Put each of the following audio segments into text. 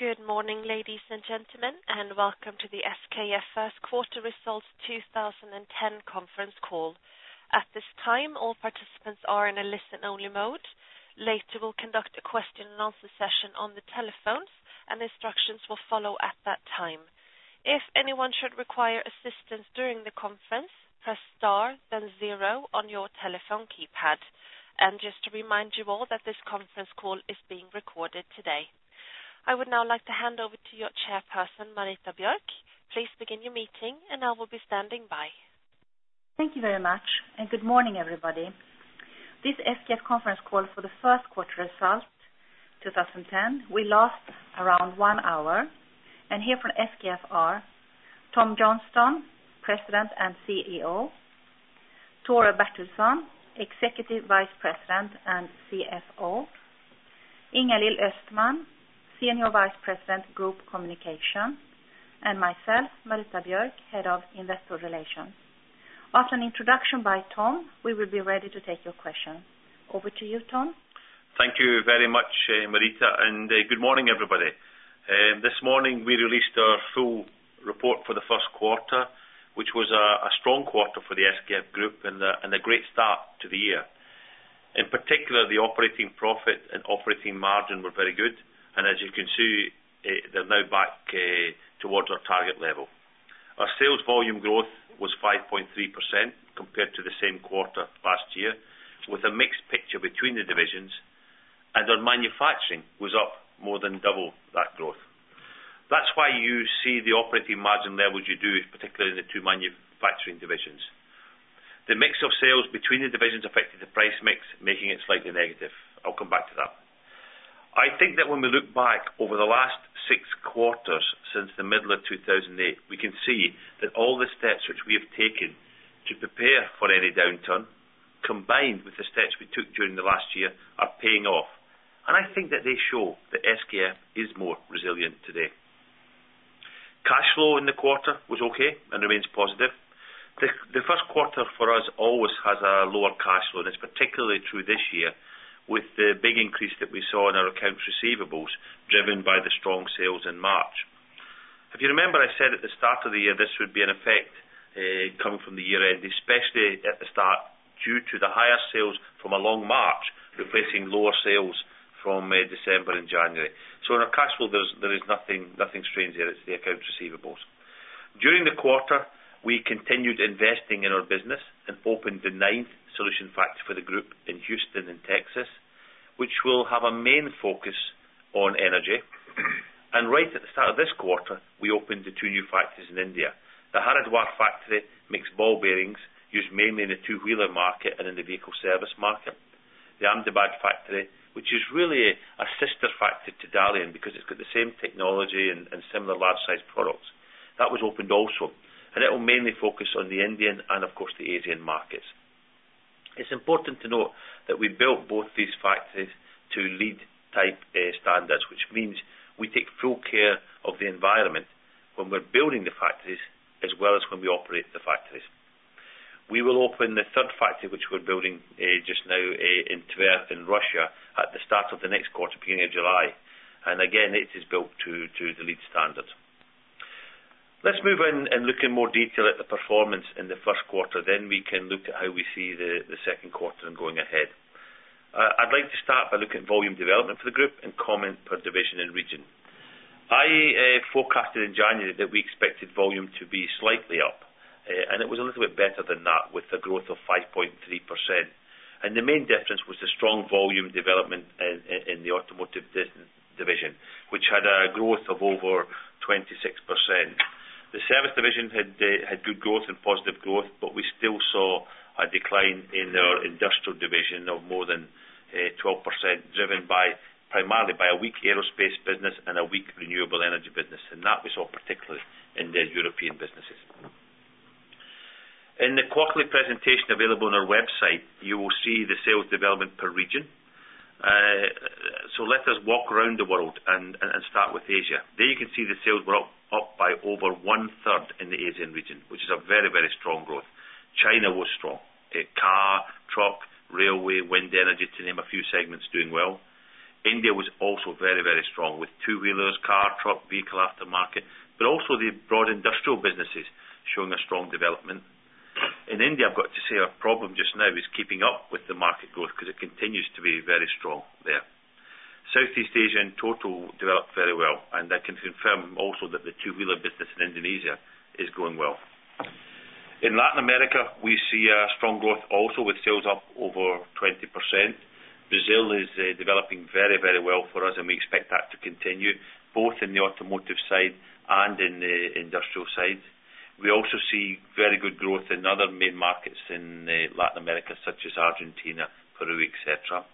Good morning, ladies and gentlemen, and welcome to the SKF First Quarter Results 2010 Conference Call. At this time, all participants are in a listen-only mode. Later, we'll conduct a question and answer session on the telephones, and instructions will follow at that time. If anyone should require assistance during the conference, press star, then zero on your telephone keypad. And just to remind you all that this conference call is being recorded today. I would now like to hand over to your chairperson, Marita Björk. Please begin your meeting, and I will be standing by. Thank you very much, and good morning, everybody. This SKF conference call for the first quarter results 2010 will last around one hour, and here from SKF are Tom Johnstone, President and CEO, Tore Bertilsson, Executive Vice President and CFO, Ingalill Östman, Senior Vice President, Group Communications, and myself, Marita Björk, Head of Investor Relations. After an introduction by Tom, we will be ready to take your questions. Over to you, Tom. Thank you very much, Marita, and good morning, everybody. This morning, we released our full report for the first quarter, which was a strong quarter for the SKF Group and a great start to the year. In particular, the operating profit and operating margin were very good, and as you can see, they're now back towards our target level. Our sales volume growth was 5.3% compared to the same quarter last year, with a mixed picture between the divisions, and our manufacturing was up more than double that growth. That's why you see the operating margin levels you do, particularly in the two manufacturing divisions. The mix of sales between the divisions affected the price mix, making it slightly negative. I'll come back to that. I think that when we look back over the last six quarters since the middle of 2008, we can see that all the steps which we have taken to prepare for any downturn, combined with the steps we took during the last year, are paying off. And I think that they show that SKF is more resilient today. Cash flow in the quarter was okay and remains positive. The first quarter for us always has a lower cash flow, and it's particularly true this year with the big increase that we saw in our accounts receivables, driven by the strong sales in March. If you remember, I said at the start of the year, this would be an effect, coming from the year end, especially at the start, due to the higher sales from a long March, replacing lower sales from, December and January. So in our cash flow, there is nothing strange there. It's the accounts receivables. During the quarter, we continued investing in our business and opened the ninth solution factory for the group in Houston, in Texas, which will have a main focus on energy and right at the start of this quarter, we opened the two new factories in India. The Haridwar factory makes ball bearings used mainly in the two-wheeler market and in the vehicle service market. The Ahmedabad factory, which is really a sister factory to Dalian because it's got the same technology and similar large-sized products. That was opened also, and it will mainly focus on the Indian and, of course, the Asian markets. It's important to note that we built both these factories to LEED standards, which means we take full care of the environment when we're building the factories, as well as when we operate the factories. We will open the third factory, which we're building just now in Tver, in Russia, at the start of the next quarter, beginning of July. And again, it is built to the LEED standards. Let's move in and look in more detail at the performance in the first quarter, then we can look at how we see the second quarter and going ahead. I'd like to start by looking at volume development for the group and comment per division and region. I forecasted in January that we expected volume to be slightly up, and it was a little bit better than that with a growth of 5.3%. The main difference was the strong volume development in the Automotive Division, which had a growth of over 26%. The service division had good growth and positive growth, but we still saw a decline in our Industrial Division of more than 12%, driven primarily by a weak aerospace business and a weak renewable energy business, and that we saw, particularly in the European businesses. In the quarterly presentation available on our website, you will see the sales development per region. So let us walk around the world and start with Asia. There you can see the sales were up by over one-third in the Asian region, which is a very, very strong growth. China was strong. Car, truck, railway, wind energy, to name a few segments, doing well. India was also very, very strong, with two-wheelers, car, truck, vehicle, aftermarket, but also the broad industrial businesses showing a strong development. In India, I've got to say our problem just now is keeping up with the market growth because it continues to be very strong there. Southeast Asia in total developed very well, and I can confirm also that the two-wheeler business in Indonesia is growing well. In Latin America, we see a strong growth also, with sales up over 20%. Brazil is developing very, very well for us, and we expect that to continue both in the automotive side and in the industrial side. We also see very good growth in other main markets in Latin America, such as Argentina, Peru, et cetera.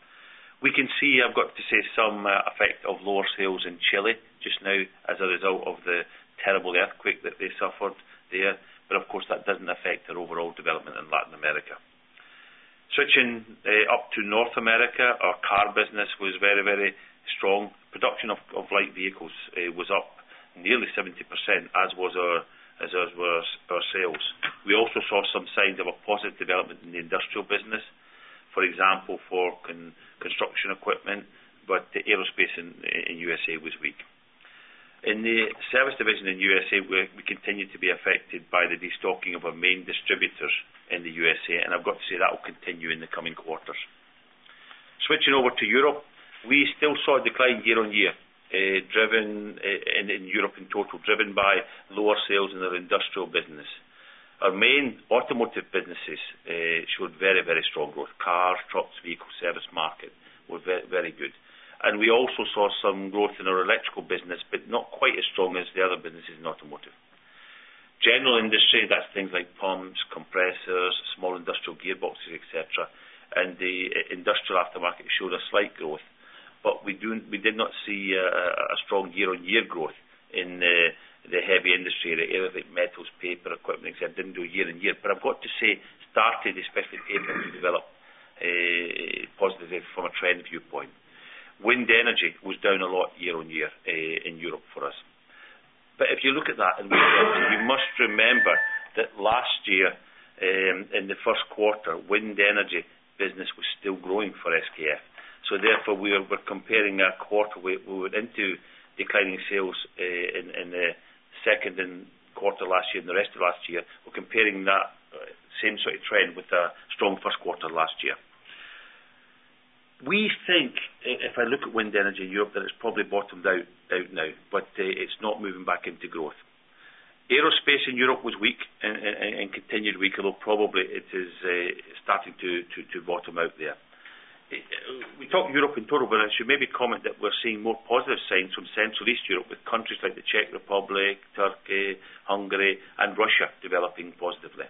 We can see, I've got to say, some effect of lower sales in Chile just now as a result of the terrible earthquake that they suffered there, but of course, that doesn't affect their overall development in Latin America. Switching up to North America, our car business was very, very strong. Production of light vehicles was up nearly 70%, as was our sales. We also saw some signs of a positive development in the industrial business—for example, in construction equipment, but the aerospace in USA was weak. In the service division in USA, we continue to be affected by the de-stocking of our main distributors in the USA, and I've got to say that will continue in the coming quarters. Switching over to Europe, we still saw a decline year-on-year, driven in Europe in total, driven by lower sales in the industrial business. Our main automotive businesses showed very, very strong growth. Car, trucks, vehicle service market were very, very good. And we also saw some growth in our electrical business, but not quite as strong as the other businesses in automotive. General industry, that's things like pumps, compressors, small industrial gearboxes, et cetera, and the industrial aftermarket showed a slight growth. But we did not see a strong year-on-year growth in the heavy industry, the areas like metals, paper, equipment, etcetera didn't do year-on-year. But I've got to say, started, especially paper, to develop positively from a trend viewpoint. Wind energy was down a lot year on year in Europe for us. But if you look at that, and you must remember that last year in the first quarter, wind energy business was still growing for SKF. So therefore, we are, we're comparing that quarter, we went into declining sales in the second and quarter last year and the rest of last year. We're comparing that same sort of trend with a strong first quarter last year. We think, if I look at wind energy in Europe, that it's probably bottomed out now, but it's not moving back into growth. Aerospace in Europe was weak and continued weak, although probably it is starting to bottom out there. We talk Europe in total, but I should maybe comment that we're seeing more positive signs from Central Eastern Europe, with countries like the Czech Republic, Turkey, Hungary, and Russia developing positively.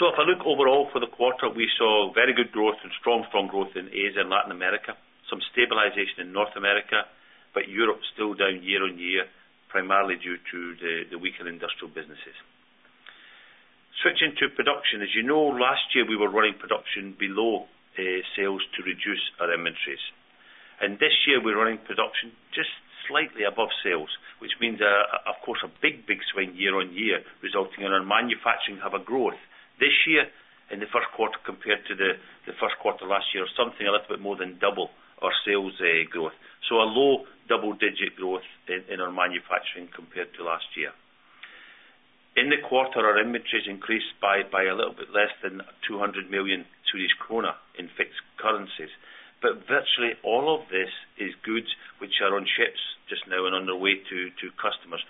So if I look overall for the quarter, we saw very good growth and strong growth in Asia and Latin America, some stabilization in North America, but Europe still down year-on-year, primarily due to the weaker industrial businesses. Switching to production. As you know, last year, we were running production below sales to reduce our inventories. This year, we're running production just slightly above sales, which means, of course, a big, big swing year on year, resulting in our manufacturing have a growth. This year, in the first quarter compared to the first quarter last year, something a little bit more than double our sales growth. A low double-digit growth in our manufacturing compared to last year. In the quarter, our inventories increased by a little bit less than 200 million Swedish kronor in fixed currencies. But virtually all of this is goods, which are on ships just now and on their way to customers.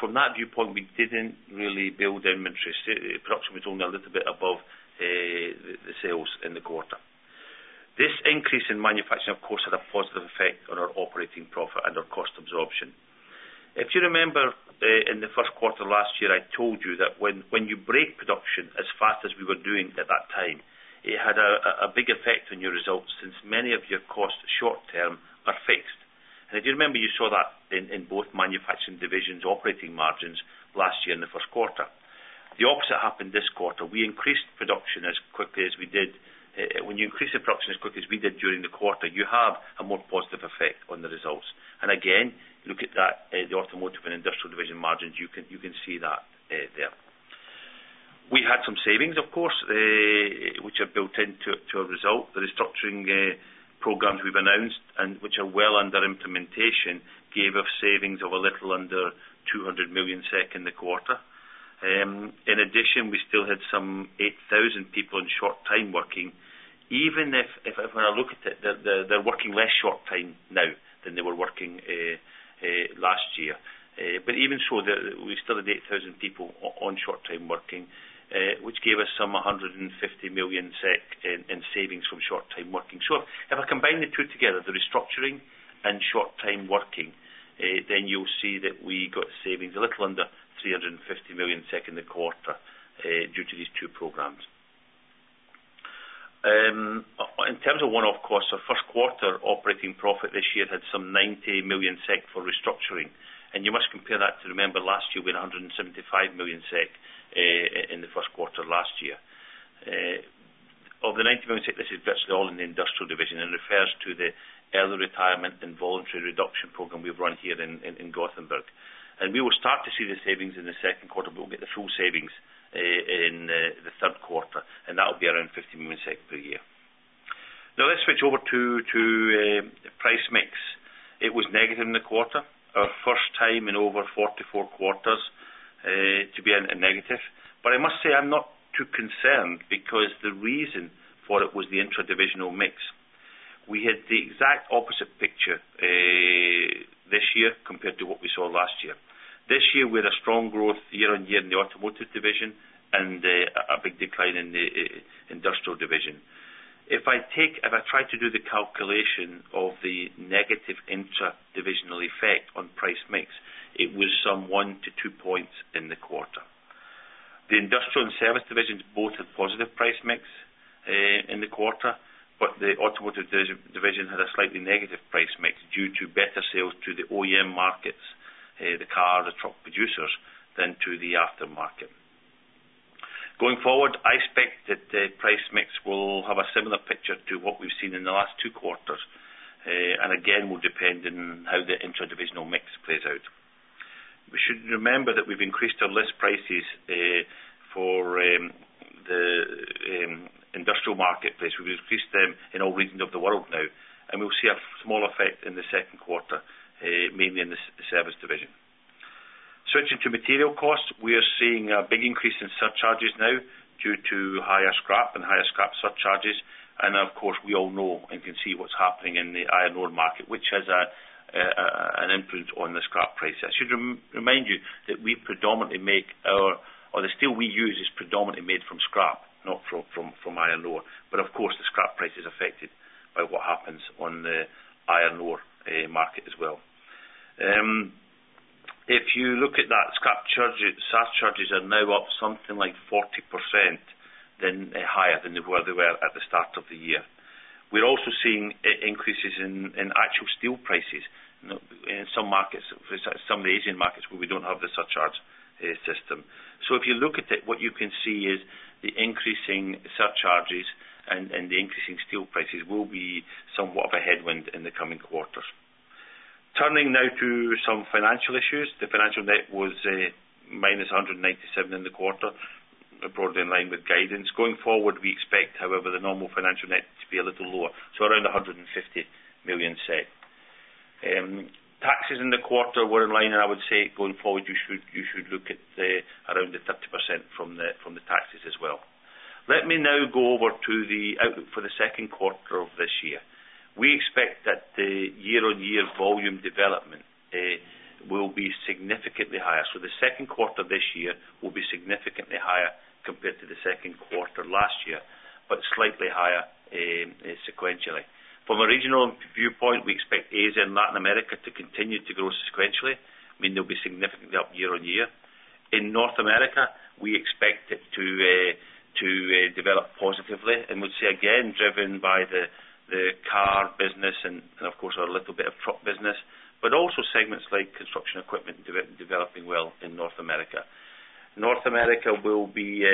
From that viewpoint, we didn't really build inventories. Production was only a little bit above the sales in the quarter. This increase in manufacturing, of course, had a positive effect on our operating profit and our cost absorption. If you remember, in the first quarter last year, I told you that when you break production as fast as we were doing at that time, it had a big effect on your results since many of your costs, short term, are fixed and if you remember, you saw that in both manufacturing divisions operating margins last year in the first quarter. The opposite happened this quarter. We increased production as quickly as we did. When you increase the production as quick as we did during the quarter, you have a more positive effect on the results. And again, look at that, the automotive and industrial division margins, you can see that there. We had some savings, of course, which are built into our result. The restructuring programs we've announced, and which are well under implementation, gave us savings of a little under 200 million SEK in the quarter. In addition, we still had some 8,000 people in short-time working. Even if when I look at it, they're working less short time now than they were working last year. But even so, we still had 8,000 people on short time working, which gave us some 150 million SEK in savings from short-time working. So if I combine the two together, the restructuring and short-time working, then you'll see that we got savings, a little under 350 million in the quarter, due to these two programs. In terms of one-off costs, our first quarter operating profit this year had some 90 million SEK for restructuring, and you must compare that to remember last year, we had 175 million SEK in the first quarter last year. Of the 90 million SEK, this is virtually all in the industrial division and refers to the early retirement and voluntary reduction program we've run here in Gothenburg. We will start to see the savings in the second quarter, but we'll get the full savings in the third quarter, and that will be around 50 million SEK per year. Now let's switch over to price mix. It was negative in the quarter, our first time in over 44 quarters to be in a negative. But I must say, I'm not too concerned because the reason for it was the intra-divisional mix. We had the exact opposite picture, this year compared to what we saw last year. This year, we had a strong growth year-on-year in the automotive division and a big decline in the industrial division. If I try to do the calculation of the negative intra-divisional effect on price mix, it was some 1-2 points in the quarter. The industrial and service divisions both had positive price mix in the quarter, but the automotive division had a slightly negative price mix due to better sales to the OEM markets, the car, the truck producers, than to the aftermarket. Going forward, I expect that the price mix will have a similar picture to what we've seen in the last two quarters, and again, will depend on how the intra-divisional mix plays out. You remember that we've increased our list prices for the industrial marketplace. We've increased them in all regions of the world now, and we'll see a small effect in the second quarter, mainly in the service division. Switching to material costs, we are seeing a big increase in surcharges now due to higher scrap and higher scrap surcharges. And of course, we all know and can see what's happening in the iron ore market, which has an input on the scrap prices. I should remind you that we predominantly make our, or the steel we use is predominantly made from scrap, not from iron ore. But of course, the scrap price is affected by what happens on the iron ore market as well. If you look at that scrap charges, surcharges are now up something like 40% than higher than where they were at the start of the year. We're also seeing increases in actual steel prices, you know, in some markets, for some of the Asian markets, where we don't have the surcharge system. So if you look at it, what you can see is the increasing surcharges and the increasing steel prices will be somewhat of a headwind in the coming quarters. Turning now to some financial issues. The financial net was minus 197 in the quarter, broadly in line with guidance. Going forward, we expect, however, the normal financial net to be a little lower, so around 150 million. Taxes in the quarter were in line, and I would say, going forward, you should, you should look at around the 30% from the, from the taxes as well. Let me now go over to the outlook for the second quarter of this year. We expect that the year-on-year volume development will be significantly higher. So the second quarter this year will be significantly higher compared to the second quarter last year, but slightly higher sequentially. From a regional viewpoint, we expect Asia and Latin America to continue to grow sequentially, meaning they'll be significantly up year-on-year. In North America, we expect it to develop positively, and we'll see, again, driven by the car business and of course a little bit of truck business, but also segments like construction equipment developing well in North America. North America will be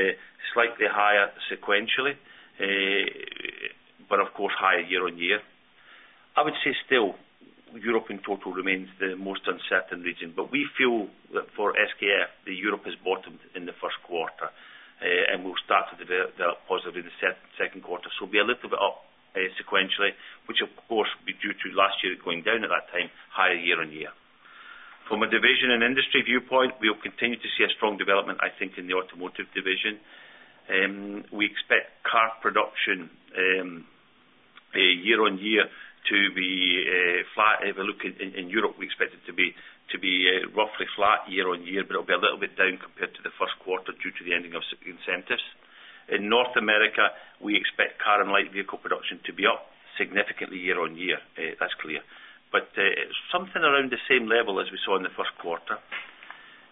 slightly higher sequentially, but of course higher year-on-year. I would say still, Europe in total remains the most uncertain region, but we feel that for SKF, the Europe has bottomed in the first quarter and will start to develop positively the second quarter. So we'll be a little bit up sequentially, which of course will be due to last year going down at that time, higher year-on-year. From a division and industry viewpoint, we will continue to see a strong development, I think, in the automotive division. We expect car production year-on-year to be flat. If we look in Europe, we expect it to be roughly flat year-on-year, but it'll be a little bit down compared to the first quarter due to the ending of incentives. In North America, we expect car and light vehicle production to be up significantly year-on-year, that's clear. But something around the same level as we saw in the first quarter.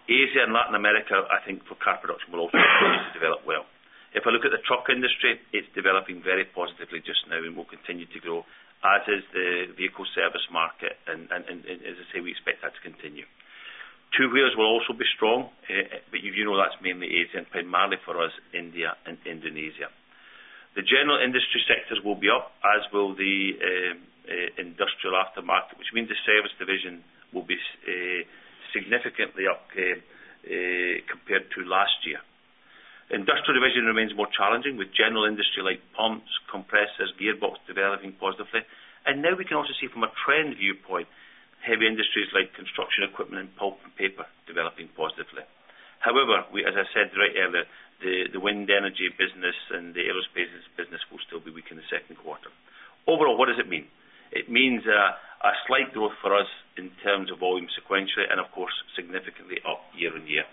Asia and Latin America, I think, for car production, will also continue to develop well. If I look at the truck industry, it's developing very positively just now and will continue to grow, as is the vehicle service market, and as I say, we expect that to continue. Two wheels will also be strong, but you know that's mainly Asia, and primarily for us, India and Indonesia. The general industry sectors will be up, as will the industrial aftermarket, which means the service division will be significantly up compared to last year. Industrial division remains more challenging, with general industry like pumps, compressors, gearbox, developing positively. And now we can also see from a trend viewpoint, heavy industries like construction equipment and pulp and paper developing positively. However, as I said right earlier, the wind energy business and the aerospace business will still be weak in the second quarter. Overall, what does it mean? It means a slight growth for us in terms of volume sequentially, and of course, significantly up year-on-year.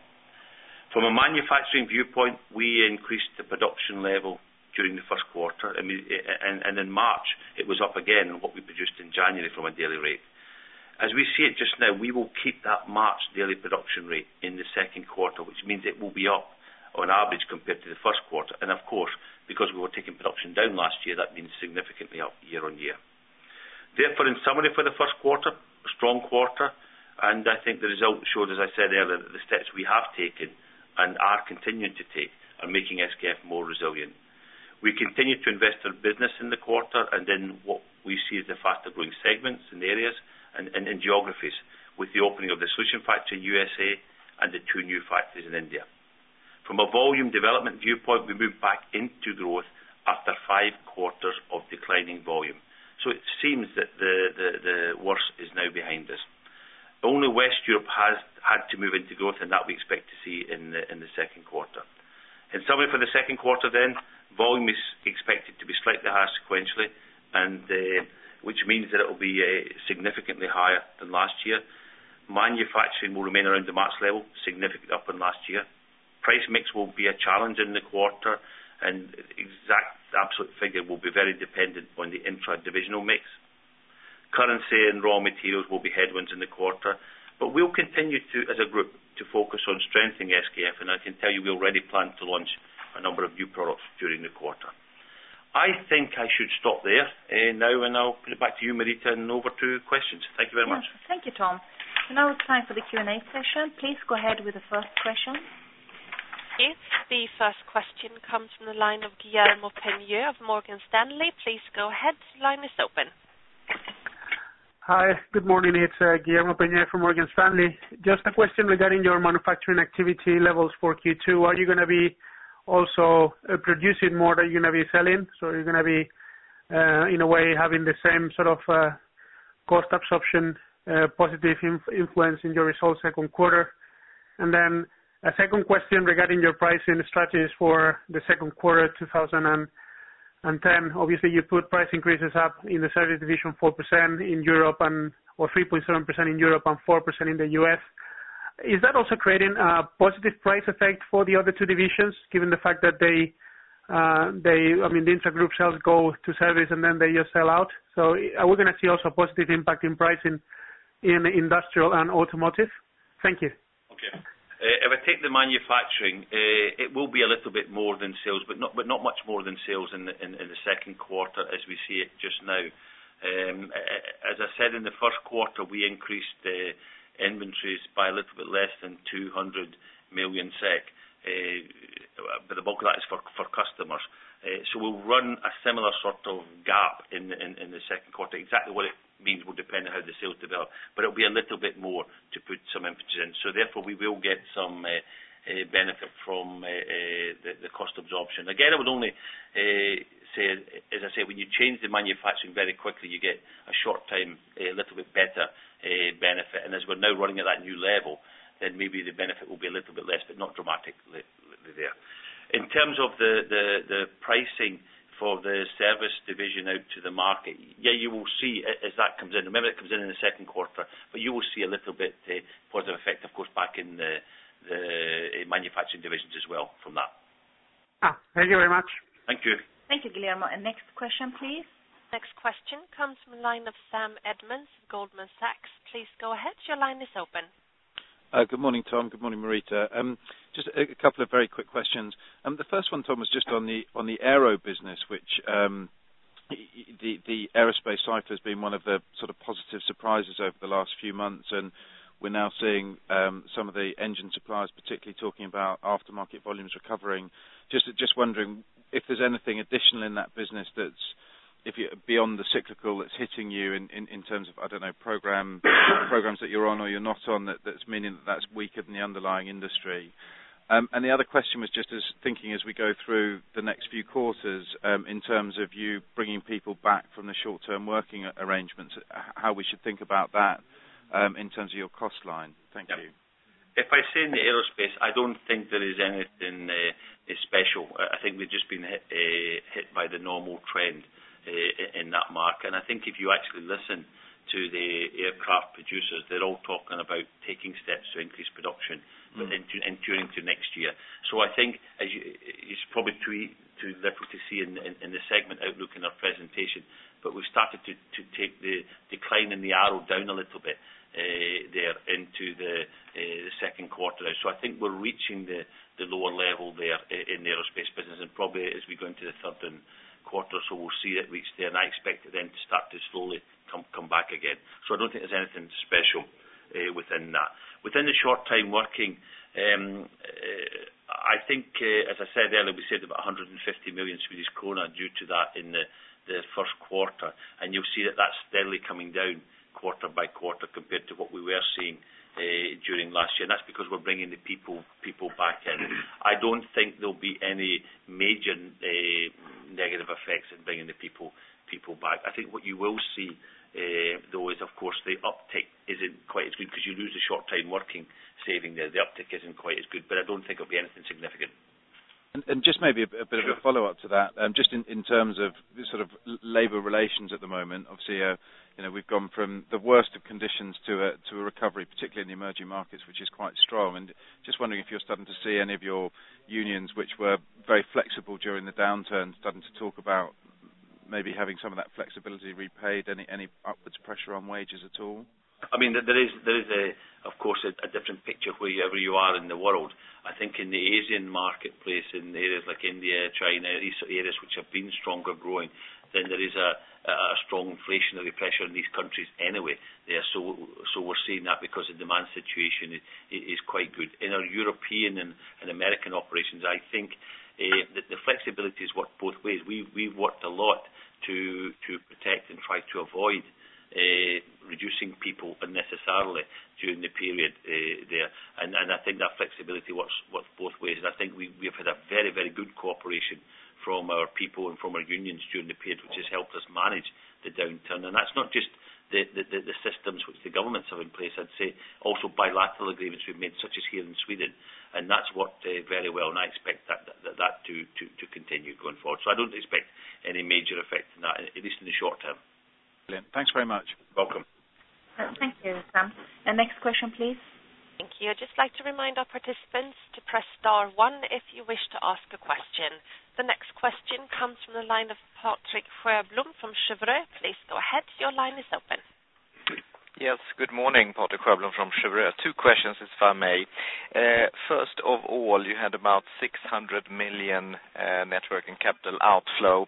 From a manufacturing viewpoint, we increased the production level during the first quarter. I mean, and in March, it was up again, what we produced in January from a daily rate. As we see it just now, we will keep that March daily production rate in the second quarter, which means it will be up on average compared to the first quarter. And of course, because we were taking production down last year, that means significantly up year-on-year. Therefore, in summary, for the first quarter, a strong quarter, and I think the result showed, as I said earlier, that the steps we have taken and are continuing to take are making SKF more resilient. We continued to invest in business in the quarter, and in what we see as the faster-growing segments and areas and geographies, with the opening of the Solution Factory in USA and the two new factories in India. From a volume development viewpoint, we moved back into growth after five quarters of declining volume. So it seems that the worst is now behind us. Only West Europe has had to move into growth, and that we expect to see in the second quarter. In summary, for the second quarter then, volume is expected to be slightly higher sequentially, and which means that it will be significantly higher than last year. Manufacturing will remain around the max level, significantly up from last year. Price mix will be a challenge in the quarter, and exact absolute figure will be very dependent on the intradivisional mix. Currency and raw materials will be headwinds in the quarter, but we'll continue to, as a group, to focus on strengthening SKF, and I can tell you we already plan to launch a number of new products during the quarter. I think I should stop there, now, and I'll put it back to you, Marita, and over to questions. Thank you very much. Thank you, Tom. Now it's time for the Q&A session. Please go ahead with the first question. The first question comes from the line of Guillermo Peigneux of Morgan Stanley. Please go ahead. The line is open. Hi, good morning. It's Guillermo Peigneux from Morgan Stanley. Just a question regarding your manufacturing activity levels for Q2. Are you gonna be also producing more than you're gonna be selling? So are you gonna be, in a way, having the same sort of, cost absorption, positive influence in your results second quarter? And then a second question regarding your pricing strategies for the second quarter, 2010. Obviously, you put price increases up in the Service Division 4% in Europe and—or 3.7% in Europe and 4% in the U.S. Is that also creating a positive price effect for the other two divisions, given the fact that they, they, I mean, the inter-group sales go to service and then they just sell out? Are we gonna see also a positive impact in pricing in industrial and automotive? Thank you. Okay. If I take the manufacturing, it will be a little bit more than sales, but not, but not much more than sales in the, in, in the second quarter, as we see it just now. As I said, in the first quarter, we increased the inventories by a little bit less than 200 million SEK. But the bulk of that is for, for customers. So we'll run a similar sort of gap in, in, in the second quarter. Exactly what it means will depend on how the sales develop, but it'll be a little bit more to put some emphasis in. So therefore, we will get some, benefit from, the, the cost absorption. Again, I would only say, as I say, when you change the manufacturing very quickly, you get a short time, a little bit better benefit. And as we're now running at that new level, then maybe the benefit will be a little bit less, but not dramatically there. In terms of the pricing for the service division out to the market, yeah, you will see as that comes in. Remember, it comes in in the second quarter, but you will see a little bit further effect, of course, back in the manufacturing divisions as well from that. Ah, thank you very much. Thank you. Thank you, Guillermo. And next question, please. Next question comes from the line of Sam Edmunds, Goldman Sachs. Please go ahead. Your line is open. Good morning, Tom. Good morning, Marita. Just a couple of very quick questions. The first one, Tom, is just on the aero business, which, the aerospace cycle has been one of the sort of positive surprises over the last few months, and we're now seeing, some of the engine suppliers, particularly talking about aftermarket volumes recovering. Just wondering if there's anything additional in that business that's, if you-- beyond the cyclical, that's hitting you in terms of, I don't know, programs that you're on or you're not on, that's meaning that's weaker than the underlying industry. And the other question was just as thinking as we go through the next few quarters, in terms of you bringing people back from the short-term working arrangements, how we should think about that, in terms of your cost line. Thank you. If I say in the aerospace, I don't think there is anything special. I think we've just been hit by the normal trend in that market. And I think if you actually listen to the aircraft producers, they're all talking about taking steps to increase production into next year. So I think, as you... It's probably too early to see in the segment outlook in our presentation, but we've started to take the decline in the euro down a little bit there into the second quarter. So I think we're reaching the lower level there in the aerospace business and probably as we go into the third quarter. So we'll see it reach there, and I expect it then to start to slowly come back again. So I don't think there's anything special within that. Within the short time working, I think, as I said earlier, we saved about 150 million Swedish krona due to that in the first quarter, and you'll see that that's steadily coming down quarter by quarter, compared to what we were seeing during last year and that's because we're bringing the people back in. I don't think there'll be any major negative effects in bringing the people back. I think what you will see, though, is, of course, the uptick isn't quite as good because you lose the short time working saving there. The uptick isn't quite as good, but I don't think it'll be anything significant. And just maybe a bit of a follow-up to that. Sure. Just in terms of the sort of labor relations at the moment, obviously, you know, we've gone from the worst of conditions to a recovery, particularly in the emerging markets, which is quite strong. And just wondering if you're starting to see any of your unions, which were very flexible during the downturn, starting to talk about maybe having some of that flexibility repaid, any upwards pressure on wages at all? I mean, there is, of course, a different picture wherever you are in the world. I think in the Asian marketplace, in areas like India, China, these are areas which have been stronger growing. Then there is a strong inflationary pressure in these countries anyway. Yeah, so we're seeing that because the demand situation is quite good. In our European and American operations, I think the flexibility has worked both ways. We've worked a lot to protect and try to avoid reducing people unnecessarily during the period there and I think that flexibility works both ways. And I think we have had a very good cooperation from our people and from our unions during the period, which has helped us manage the downturn. That's not just the systems which the governments have in place. I'd say also bilateral agreements we've made, such as here in Sweden, and that's worked very well, and I expect that to continue going forward. So I don't expect any major effect in that, at least in the short term. Thanks very much. Welcome. Thank you, Sam. The next question, please. Thank you. I'd just like to remind our participants to press star one if you wish to ask a question. The next question comes from the line of Patrick Sjöblom from Cheuvreux. Please go ahead. Your line is open. Yes, good morning. Patrick Sjöblom from Cheuvreux. Two questions, if I may. First of all, you had about 600 million net working capital outflow.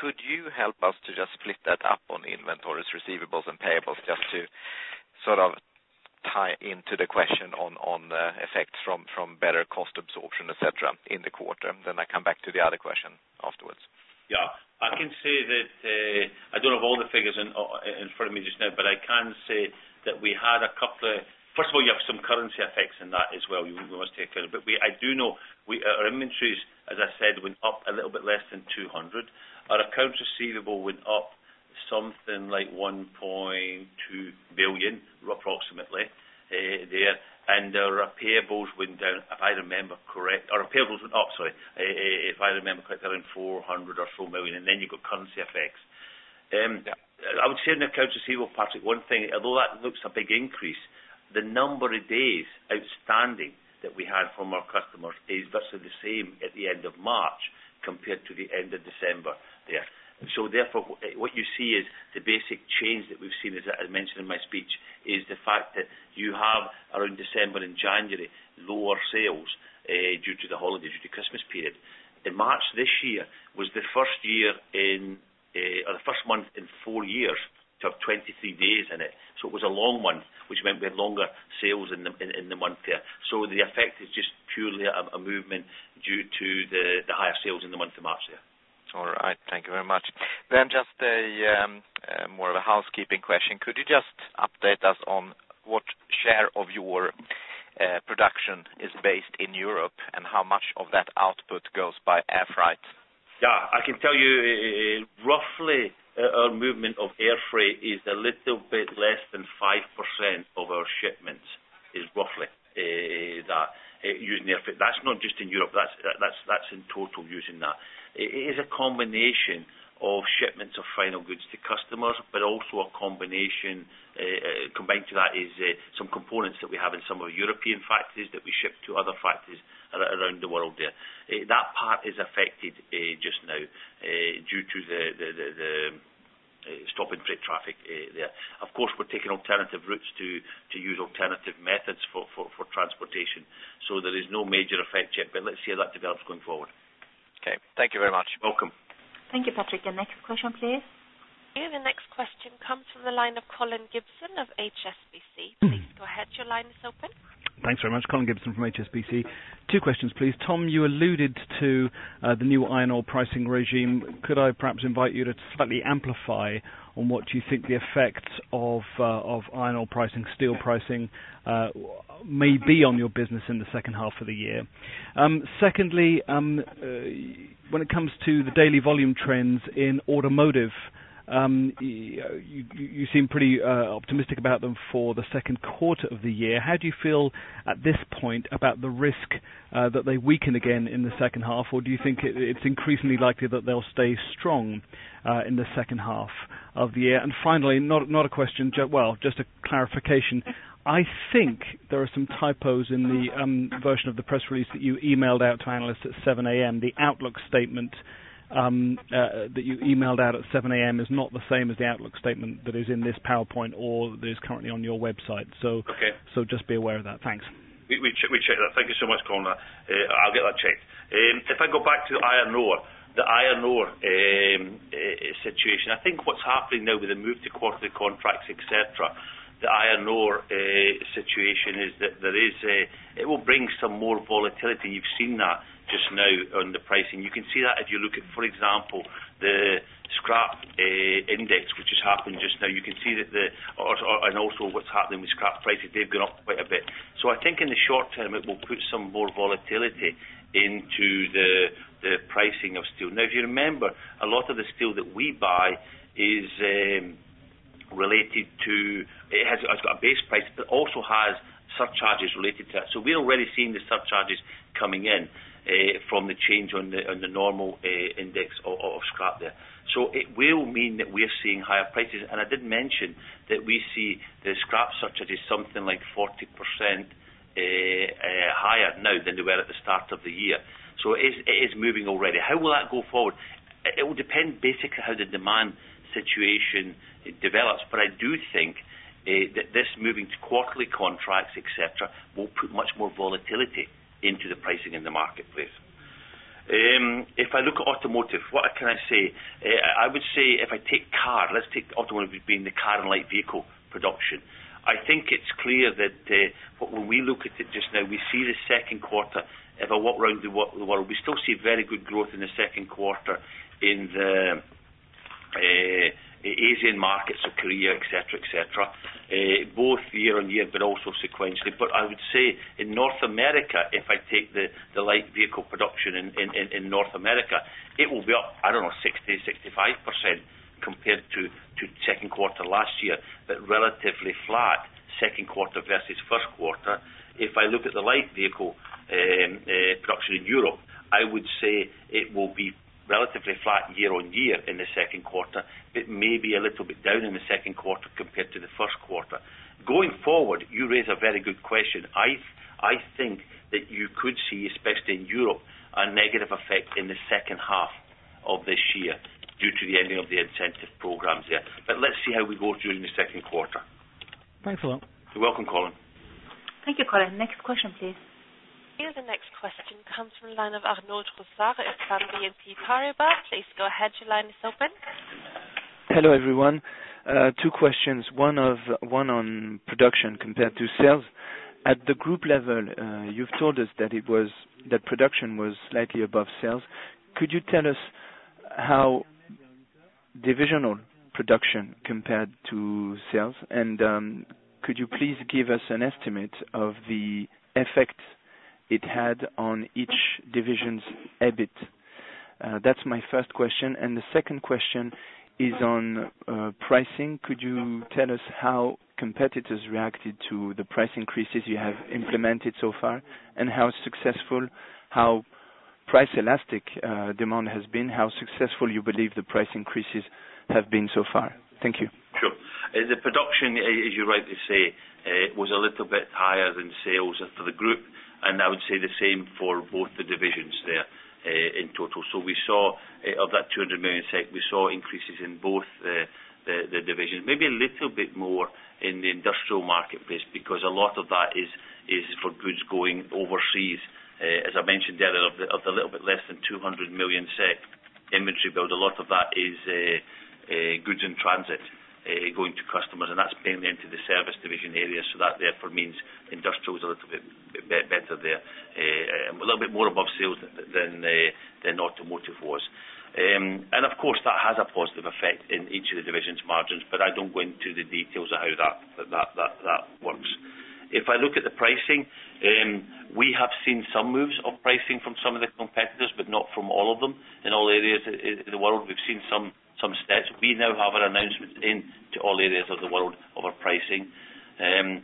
Could you help us to just split that up on inventories, receivables and payables, just to sort of tie into the question on, on the effects from, from better cost absorption, et cetera, in the quarter. Then I come back to the other question afterwards. Yeah. I can say that I don't have all the figures in front of me just now, but I can say that. First of all, you have some currency effects in that as well, we must take care. But I do know our inventories, as I said, went up a little bit less than 200 million. Our accounts receivable went up something like 1.2 billion, approximately, there and our payables went down, if I remember correct, our payables went up, sorry, if I remember correctly, around 400 or 4 million, and then you've got currency effects. I would say in the accounts receivable part, one thing, although that looks a big increase, the number of days outstanding that we had from our customers is virtually the same at the end of March compared to the end of December there. So therefore, what you see is the basic change that we've seen, as I mentioned in my speech, is the fact that you have around December and January, lower sales, due to the holidays, due to Christmas period. In March, this year was the first year in, or the first month in four years, to have 23 days in it. So it was a long month, which meant we had longer sales in the, in, in the month there. So the effect is just purely a, a movement due to the, the higher sales in the month of March there. All right. Thank you very much. Then just a more of a housekeeping question. Could you just update us on what share of your production is based in Europe, and how much of that output goes by air freight? Yeah, I can tell you, roughly, our movement of air freight is a little bit less than 5% of our shipments, is roughly that, using air freight. That's not just in Europe, that's, that's, that's in total using that. It is a combination of shipments of final goods to customers, but also a combination, combined to that is some components that we have in some of our European factories that we ship to other factories around the world there. That part is affected just now due to the stop in trade traffic there. Of course, we're taking alternative routes to use alternative methods for transportation. So there is no major effect yet, but let's see how that develops going forward. Okay, thank you very much. Welcome. Thank you, Patrick. Your next question, please. The next question comes from the line of Colin Gibson of HSBC. Please go ahead. Your line is open. Thanks very much. Colin Gibson from HSBC. Two questions, please. Tom, you alluded to the new iron ore pricing regime. Could I perhaps invite you to slightly amplify on what you think the effects of of iron ore pricing, steel pricing, may be on your business in the second half of the year? Secondly, when it comes to the daily volume trends in automotive, you seem pretty optimistic about them for the second quarter of the year. How do you feel at this point about the risk that they weaken again in the second half? Or do you think it's increasingly likely that they'll stay strong in the second half of the year? And finally, not a question, well, just a clarification. I think there are some typos in the version of the press release that you emailed out to analysts at 7:00 A.M. The outlook statement that you emailed out at 7:00 A.M. is not the same as the outlook statement that is in this PowerPoint or that is currently on your website. So- Okay. Just be aware of that. Thanks. We'll check that. Thank you so much, Colin. I'll get that checked. If I go back to iron ore, the situation, I think what's happening now with the move to quarterly contracts, et cetera, the iron ore situation is that there is a... It will bring some more volatility. You've seen that just now on the pricing. You can see that if you look at, for example, the scrap index, which has happened just now. You can see that, and also what's happening with scrap prices, they've gone up quite a bit. So I think in the short term, it will put some more volatility into the pricing of steel. Now, if you remember, a lot of the steel that we buy is related to... It has, it's got a base price, but also has surcharges related to that. So we're already seeing the surcharges coming in from the change on the normal index of scrap there. So it will mean that we are seeing higher prices, and I did mention that we see the scrap surcharges something like 40% higher now than they were at the start of the year. So it is moving already. How will that go forward? It will depend basically how the demand situation develops, but I do think that this moving to quarterly contracts, et cetera, will put much more volatility into the pricing in the marketplace. If I look at automotive, what can I say? I would say if I take car, let's take automotive being the car and light vehicle production. I think it's clear that, when we look at it just now, we see the second quarter. If I walk around the world, we still see very good growth in the second quarter in the Asian markets or Korea, et cetera, et cetera, both year-on-year, but also sequentially. But I would say in North America, if I take the light vehicle production in North America, it will be up, I don't know, 60-65% compared to second quarter last year, but relatively flat second quarter versus first quarter. If I look at the light vehicle production in Europe, I would say it will be relatively flat year-on-year in the second quarter. It may be a little bit down in the second quarter compared to the first quarter. Going forward, you raise a very good question. I think that you could see, especially in Europe, a negative effect in the second half of this year due to the ending of the incentive programs there. But let's see how we go during the second quarter. Thanks a lot. You're welcome, Colin. Thank you, Colin. Next question, please. The next question comes from the line of Arnaud Brossard of BNP Paribas. Please go ahead. Your line is open. Hello, everyone. Two questions, one on production compared to sales. At the group level, you've told us that production was slightly above sales. Could you tell us how divisional production compared to sales? And could you please give us an estimate of the effect it had on each division's EBIT? That's my first question, and the second question is on pricing. Could you tell us how competitors reacted to the price increases you have implemented so far, and how successful, how price elastic demand has been? How successful you believe the price increases have been so far? Thank you. Sure. The production, as you rightly say, was a little bit higher than sales for the group, and I would say the same for both the divisions there, in total. So we saw, of that 200 million net, we saw increases in both the divisions. Maybe a little bit more in the industrial marketplace, because a lot of that is for goods going overseas. As I mentioned earlier, of the little bit less than 200 million net inventory build, a lot of that is goods in transit, going to customers, and that's mainly into the service division area, so that therefore means industrial is a little bit better there. A little bit more above sales than automotive was. And of course, that has a positive effect in each of the divisions' margins, but I don't go into the details of how that works. If I look at the pricing, we have seen some moves of pricing from some of the competitors, but not from all of them. In all areas in the world, we've seen some steps. We now have an announcement into all areas of the world of our pricing. And,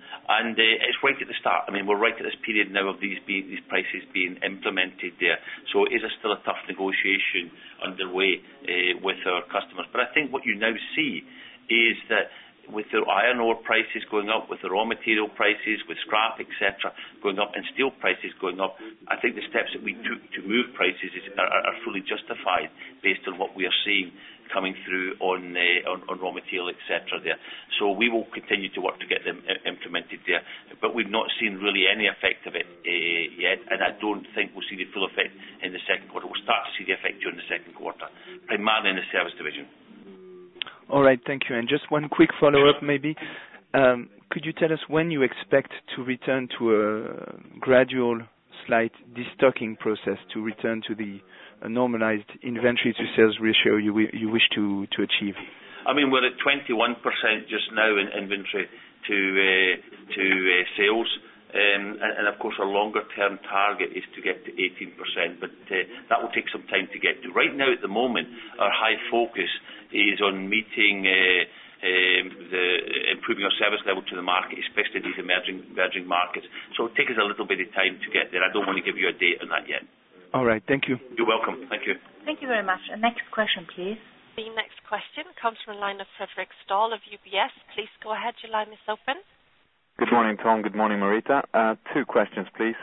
it's right at the start. I mean, we're right at this period now of these prices being implemented there, so it is still a tough negotiation underway with our customers. But I think what you now see is that with the iron ore prices going up, with the raw material prices, with scrap, et cetera, going up and steel prices going up, I think the steps that we took to move prices are fully justified based on what we are seeing coming through on raw material, et cetera, there. So we will continue to work to get them implemented there, but we've not seen really any effect of it, yet, and I don't think we'll see the full effect in the second quarter. We'll start to see the effect during the second quarter, primarily in the service division. All right, thank you. Just one quick follow-up, maybe. Could you tell us when you expect to return to a gradual, slight de-stocking process to return to the normalized inventory to sales ratio you wish to, to achieve? I mean, we're at 21% just now in inventory to sales. And, of course, our longer term target is to get to 18%, but that will take some time to get to. Right now, at the moment, our high focus is on meeting improving our service level to the market, especially these emerging markets. So it'll take us a little bit of time to get there. I don't want to give you a date on that yet. All right. Thank you. You're welcome. Thank you. Thank you very much. Next question, please. The next question comes from the line of Fredric Stahl of UBS. Please go ahead. Your line is open. Good morning, Tom. Good morning, Marita. Two questions, please.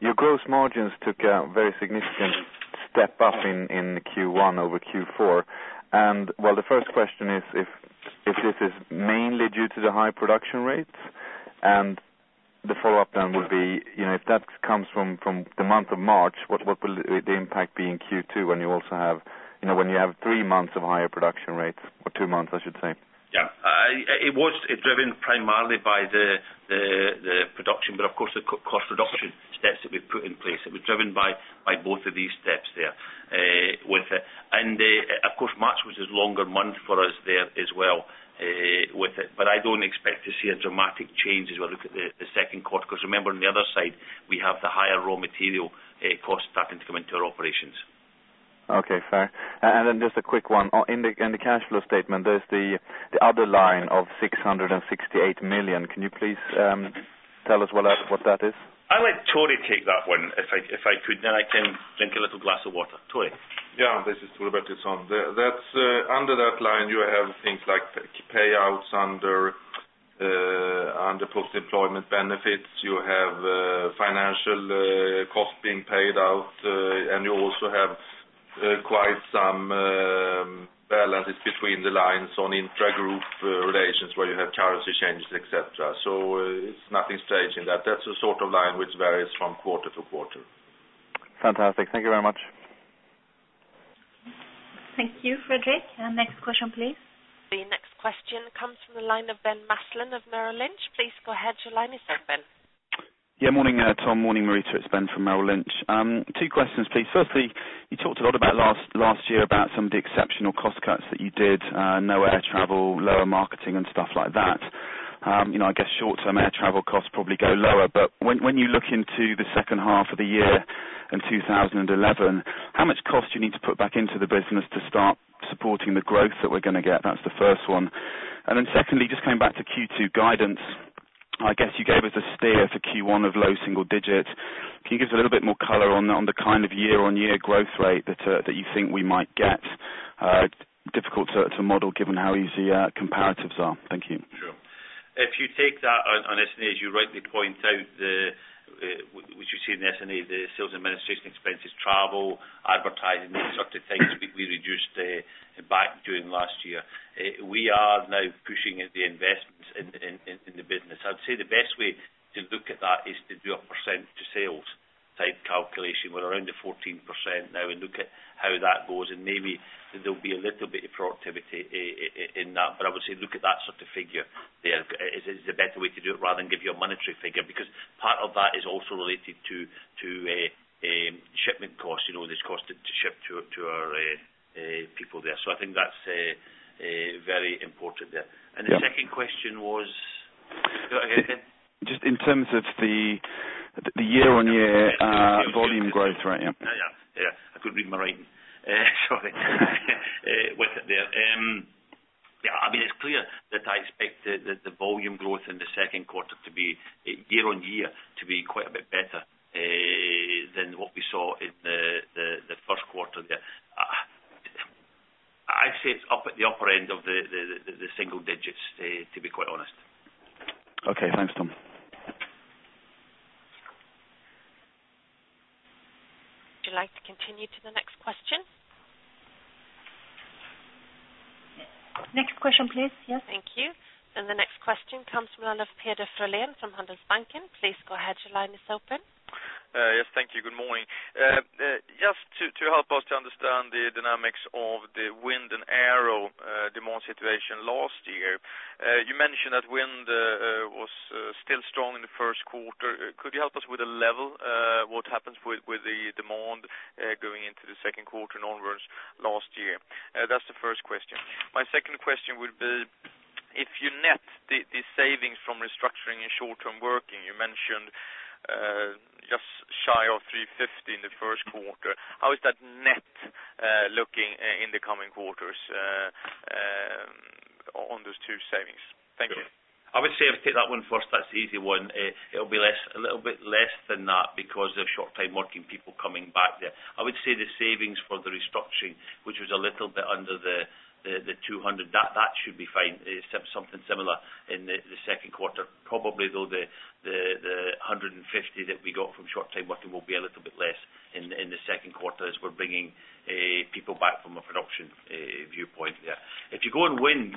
Your gross margins took a very significant step up in Q1 over Q4. Well, the first question is if this is mainly due to the high production rates? And the follow-up then would be, you know, if that comes from the month of March, what will the impact be in Q2 when you also have, you know, when you have three months of higher production rates or two months, I should say? Yeah. It was driven primarily by the production, but of course, the cost reduction steps that we've put in place. It was driven by both of these steps there. With the... And, of course, March was a longer month for us there as well, with it, but I don't expect to see a dramatic change as we look at the second quarter, because remember, on the other side, we have the higher raw material costs starting to come into our operations. Okay. Fair. And then just a quick one. On, in the cash flow statement, there's the other line of 668 million. Can you please tell us what that is? I'll let Tore take that one, if I could, then I can drink a little glass of water. Tore? Yeah, this is Tore Bertilsson. That's under that line, you have things like payouts under post-employment benefits. You have financial costs being paid out, and you also have quite some balances between the lines on intra-group relations where you have currency changes, et cetera. So it's nothing strange in that. That's the sort of line which varies from quarter to quarter. Fantastic. Thank you very much. Thank you, Fredric. And next question, please. The next question comes from the line of Ben Maslen of Merrill Lynch. Please go ahead. Your line is open. Yeah, morning, Tom, morning, Marita, it's Ben from Merrill Lynch. Two questions, please. Firstly, you talked a lot about last year about some of the exceptional cost cuts that you did, no air travel, lower marketing and stuff like that. You know, I guess short-term air travel costs probably go lower, but when you look into the second half of the year in 2011, how much cost do you need to put back into the business to start supporting the growth that we're going to get? That's the first one. And then secondly, just coming back to Q2 guidance, I guess you gave us a steer for Q1 of low single digits. Can you give us a little bit more color on the kind of year-on-year growth rate that you think we might get? Difficult to model given how easy comparatives are. Thank you. Sure. If you take that on, on its own, as you rightly point out, the sales administration expenses, travel, advertising, those sorts of things we, we reduced back during last year. We are now pushing at the investments in the business. I'd say the best way to look at that is to do a percent to sales type calculation. We're around the 14% now, and look at how that goes, and maybe there'll be a little bit of productivity in that. But I would say, look at that sort of figure there is a better way to do it, rather than give you a monetary figure, because part of that is also related to shipment costs, you know, there's cost to ship to our people there. I think that's very important there. Yeah. The second question was, do that again? Just in terms of the year-on-year volume growth rate, yeah. Oh, yeah, yeah. I couldn't read my writing. Sorry, with it there. Yeah, I mean, it's clear that I expect the volume growth in the second quarter to be, year-on-year, to be quite a bit better than what we saw in the first quarter there. I'd say it's up at the upper end of the single digits, to be quite honest. Okay. Thanks, Tom. Would you like to continue to the next question? Next question, please. Yes. Thank you. The next question comes from one of Peder Frölen from Handelsbanken. Please go ahead, your line is open. Yes, thank you. Good morning. Just to help us understand the dynamics of the wind and air demand situation last year. You mentioned that wind was still strong in the first quarter. Could you help us with the level, what happens with the demand going into the second quarter and onwards last year? That's the first question. My second question would be, if you net the savings from restructuring and short time working, you mentioned just shy of 350 in the first quarter. How is that net looking in the coming quarters on those two savings? Thank you. I would say, if I take that one first, that's the easy one. It'll be less, a little bit less than that because of short time working people coming back there. I would say the savings for the restructuring, which was a little bit under the 200, that should be fine. Something similar in the second quarter. Probably though, the 150 that we got from short time working will be a little bit less in the second quarter, as we're bringing people back from a production viewpoint there. If you go on wind,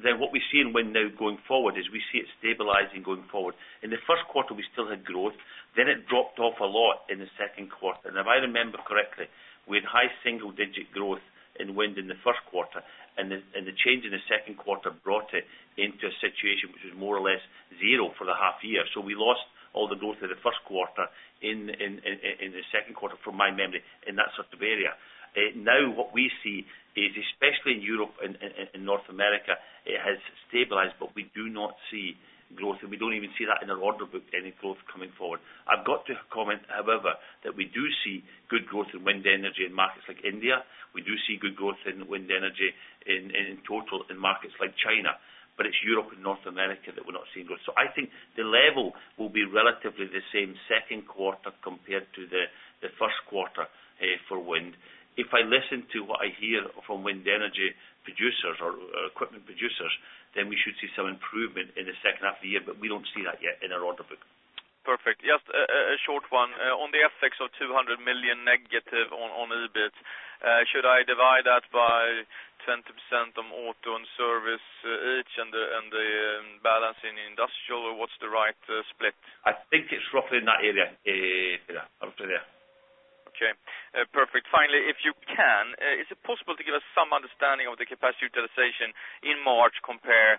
then what we see in wind now going forward, is we see it stabilizing going forward. In the first quarter, we still had growth, then it dropped off a lot in the second quarter. If I remember correctly, we had high single-digit growth in wind in the first quarter, and the change in the second quarter brought it into a situation which was more or less zero for the half year. So we lost all the growth in the first quarter in the second quarter, from my memory, in that sort of area. Now, what we see is, especially in Europe and in North America, it has stabilized, but we do not see growth, and we don't even see that in our order book, any growth coming forward. I've got to comment, however, that we do see good growth in wind energy in markets like India. We do see good growth in wind energy in total in markets like China, but it's Europe and North America that we're not seeing growth. So I think the level will be relatively the same second quarter compared to the first quarter for wind. If I listen to what I hear from wind energy producers or equipment producers, then we should see some improvement in the second half of the year, but we don't see that yet in our order book. Perfect. Just a short one. On the effects of -200 million on EBIT, should I divide that by 20% on auto and service, each, and the balance in industrial, or what's the right split? I think it's roughly in that area, yeah, absolutely, yeah. Okay, perfect. Finally, if you can, is it possible to give us some understanding of the capacity utilization in March compare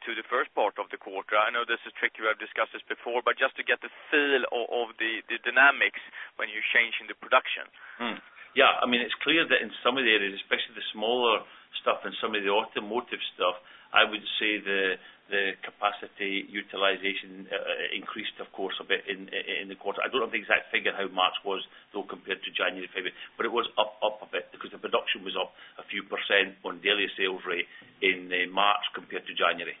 to the first part of the quarter? I know this is tricky, we have discussed this before, but just to get the feel of the dynamics when you're changing the production. Hmm. Yeah. I mean, it's clear that in some of the areas, especially the smaller stuff and some of the automotive stuff, I would say the, the capacity utilization increased of course, a bit in the quarter. I don't have the exact figure, how much was though, compared to January, but it was up, up a bit because the production was up a few percent on daily sales rate in March compared to January.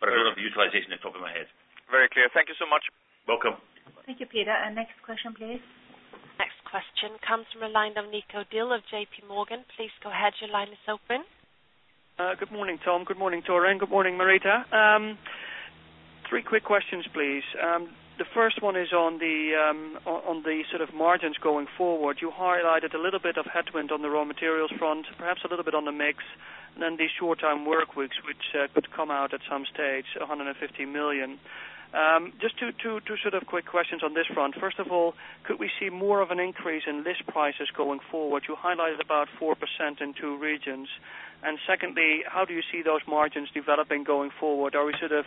I don't have the utilization on top of my head. Very clear. Thank you so much. Welcome. Thank you, Peder. And next question, please. Next question comes from the line of Nico Dil of JPMorgan. Please go ahead, your line is open. Good morning, Tom. Good morning, Tore. Good morning, Marita. Three quick questions, please. The first one is on the sort of margins going forward. You highlighted a little bit of headwind on the raw materials front, perhaps a little bit on the mix, and then the short-term work weeks, which could come out at some stage, 150 million. Just two sort of quick questions on this front. First of all, could we see more of an increase in list prices going forward? You highlighted about 4% in two regions. And secondly, how do you see those margins developing going forward? Are we sort of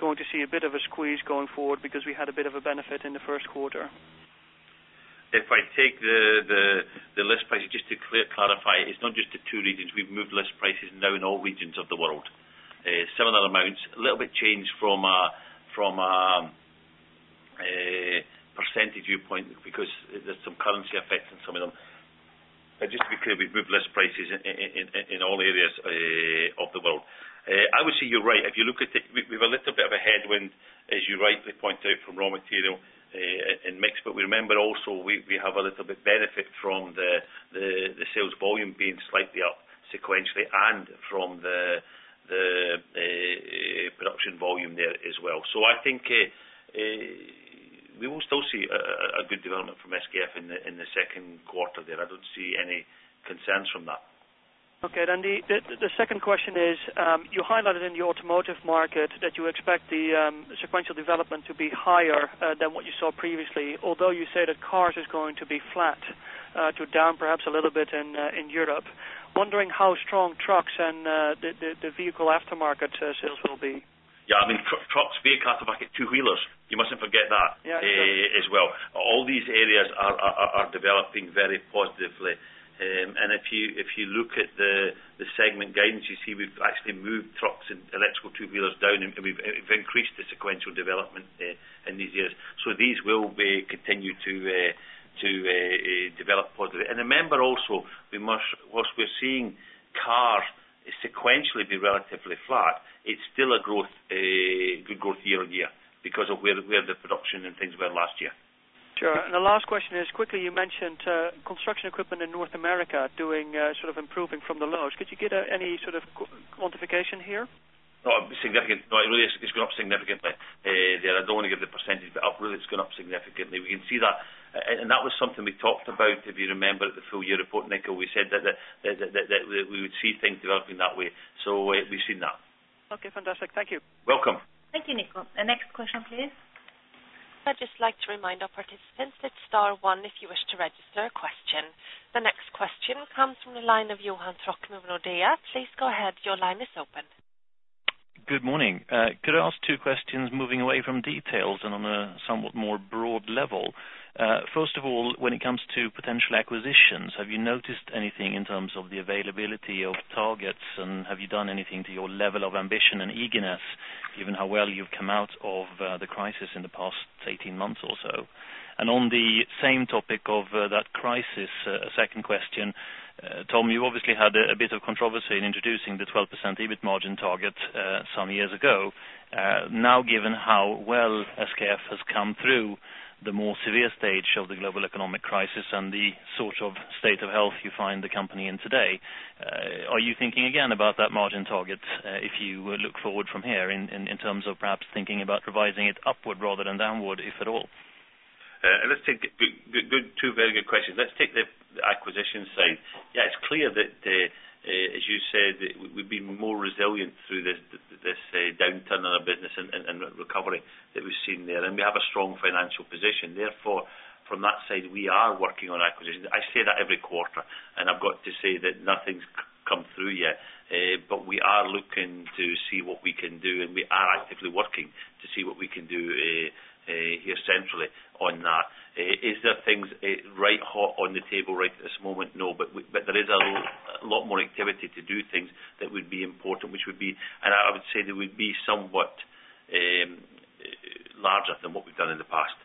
going to see a bit of a squeeze going forward because we had a bit of a benefit in the first quarter? If I take the list price, just to clarify, it's not just the two regions. We've moved list prices now in all regions of the world. Similar amounts, a little bit changed from percentage viewpoint because there's some currency effects in some of them. But just to be clear, we've moved list prices in all areas of the world. I would say you're right. If you look at it, we've a little bit of a headwind, as you rightly pointed out, from raw material in mix. But remember also, we have a little bit benefit from the sales volume being slightly up sequentially and from the production volume there as well. So I think, we will still see a good development from SKF in the second quarter there. I don't see any concerns from that. Okay, then the second question is, you highlighted in the automotive market that you expect the sequential development to be higher than what you saw previously, although you say that cars is going to be flat to down perhaps a little bit in Europe. Wondering how strong trucks and the vehicle aftermarket sales will be? Yeah, I mean, trucks, vehicle aftermarket, two-wheelers, you mustn't forget that- Yeah. As well. All these areas are developing very positively. And if you look at the segment guidance, you see we've actually moved trucks and electrical two-wheelers down, and we've increased the sequential development in these years. So these will be continue to develop positively. And remember also, we must... Whilst we're seeing cars sequentially be relatively flat, it's still a growth, a good growth year on year, because of where the production and things were last year. Sure. And the last question is, quickly, you mentioned, construction equipment in North America doing, sort of improving from the lows. Could you give, any sort of quantification here? Oh, significant. No, it really has gone up significantly. Yeah, I don't want to give the percentage, but really, it's gone up significantly. We can see that. And that was something we talked about, if you remember, at the full year report, Nico. We said that we would see things developing that way. So we've seen that. Okay, fantastic. Thank you. Welcome. Thank you, Nico. The next question, please. I'd just like to remind our participants, it's star one if you wish to register a question. The next question comes from the line of Johan Trocmé of Nordea. Please go ahead. Your line is open. Good morning. Could I ask two questions, moving away from details and on a somewhat more broad level? First of all, when it comes to potential acquisitions, have you noticed anything in terms of the availability of targets? And have you done anything to your level of ambition and eagerness, given how well you've come out of the crisis in the past 18 months or so? And on the same topic of that crisis, a second question. Tom, you obviously had a bit of controversy in introducing the 12% EBIT margin target some years ago. Now, given how well SKF has come through the more severe stage of the global economic crisis and the sort of state of health you find the company in today, are you thinking again about that margin target, if you look forward from here in terms of perhaps thinking about revising it upward rather than downward, if at all? Let's take... Good, good, good, two very good questions. Let's take the acquisition side. Yeah, it's clear that, as you said, that we've been more resilient through this downturn in our business and recovery that we've seen there, and we have a strong financial position. Therefore, from that side, we are working on acquisitions. I say that every quarter, and I've got to say that nothing's come through yet. But we are looking to see what we can do, and we are actively working to see what we can do, here centrally on that. Is there things right hot on the table right at this moment? No, but there is a lot, a lot more activity to do things that would be important, which would be. I would say they would be somewhat larger than what we've done in the past,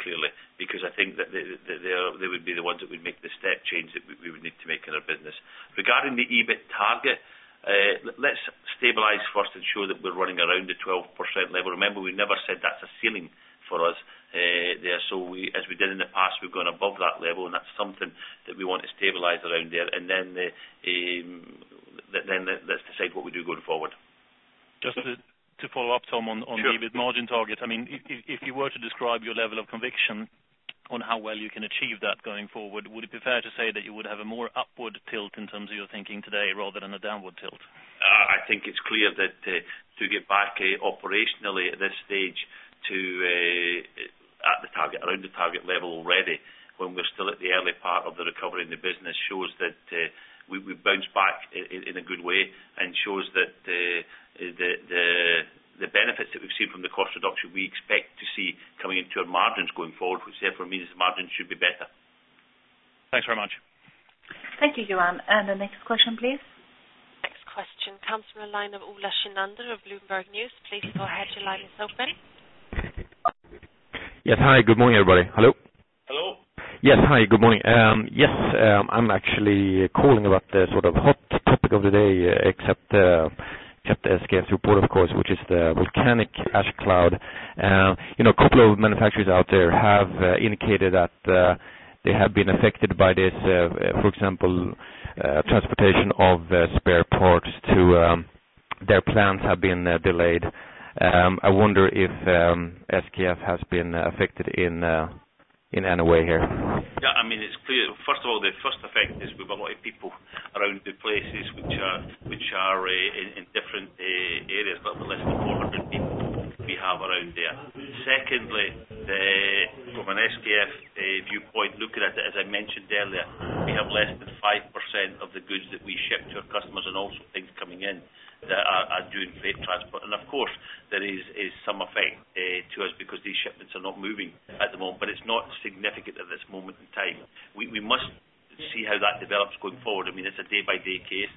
clearly, because I think that they would be the ones that would make the step change that we would need to make in our business. Regarding the EBIT target, let's stabilize first, ensure that we're running around the 12% level. Remember, we never said that's a ceiling for us, there. So we, as we did in the past, we've gone above that level, and that's something that we want to stabilize around there, and then, let's decide what we do going forward. Just to follow up, Tom, on- Sure. The EBIT margin target. I mean, if, if, if you were to describe your level of conviction on how well you can achieve that going forward, would it be fair to say that you would have a more upward tilt in terms of your thinking today rather than a downward tilt? I think it's clear that to get back operationally at this stage to at the target, around the target level already, when we're still at the early part of the recovery in the business, shows that we've bounced back in a good way. And shows that the benefits that we've seen from the cost reduction, we expect to see coming into our margins going forward. Which therefore means the margins should be better. Thanks very much. Thank you, Johan. The next question, please. Next question comes from the line of Ola Kinnander of Bloomberg News. Please go ahead. Your line is open. Yes, hi, good morning, everybody. Hello? Hello. Yes, hi, good morning. Yes, I'm actually calling about the sort of hot topic of the day, except, except the SKF report, of course, which is the volcanic ash cloud. You know, a couple of manufacturers out there have indicated that they have been affected by this. For example, transportation of spare parts to their plants have been delayed. I wonder if SKF has been affected in in any way here? Yeah, I mean, it's clear. First of all, the first effect is we've got a lot of people around the places which are in different areas, but less than 400 people we have around there. Secondly, from an SKF viewpoint, looking at it, as I mentioned earlier, we have less than 5% of the goods that we ship to our customers and also things coming in that are doing freight transport. And of course, there is some effect to us because these shipments are not moving at the moment, but it's not significant at this moment in time. We must see how that develops going forward. I mean, it's a day-by-day case.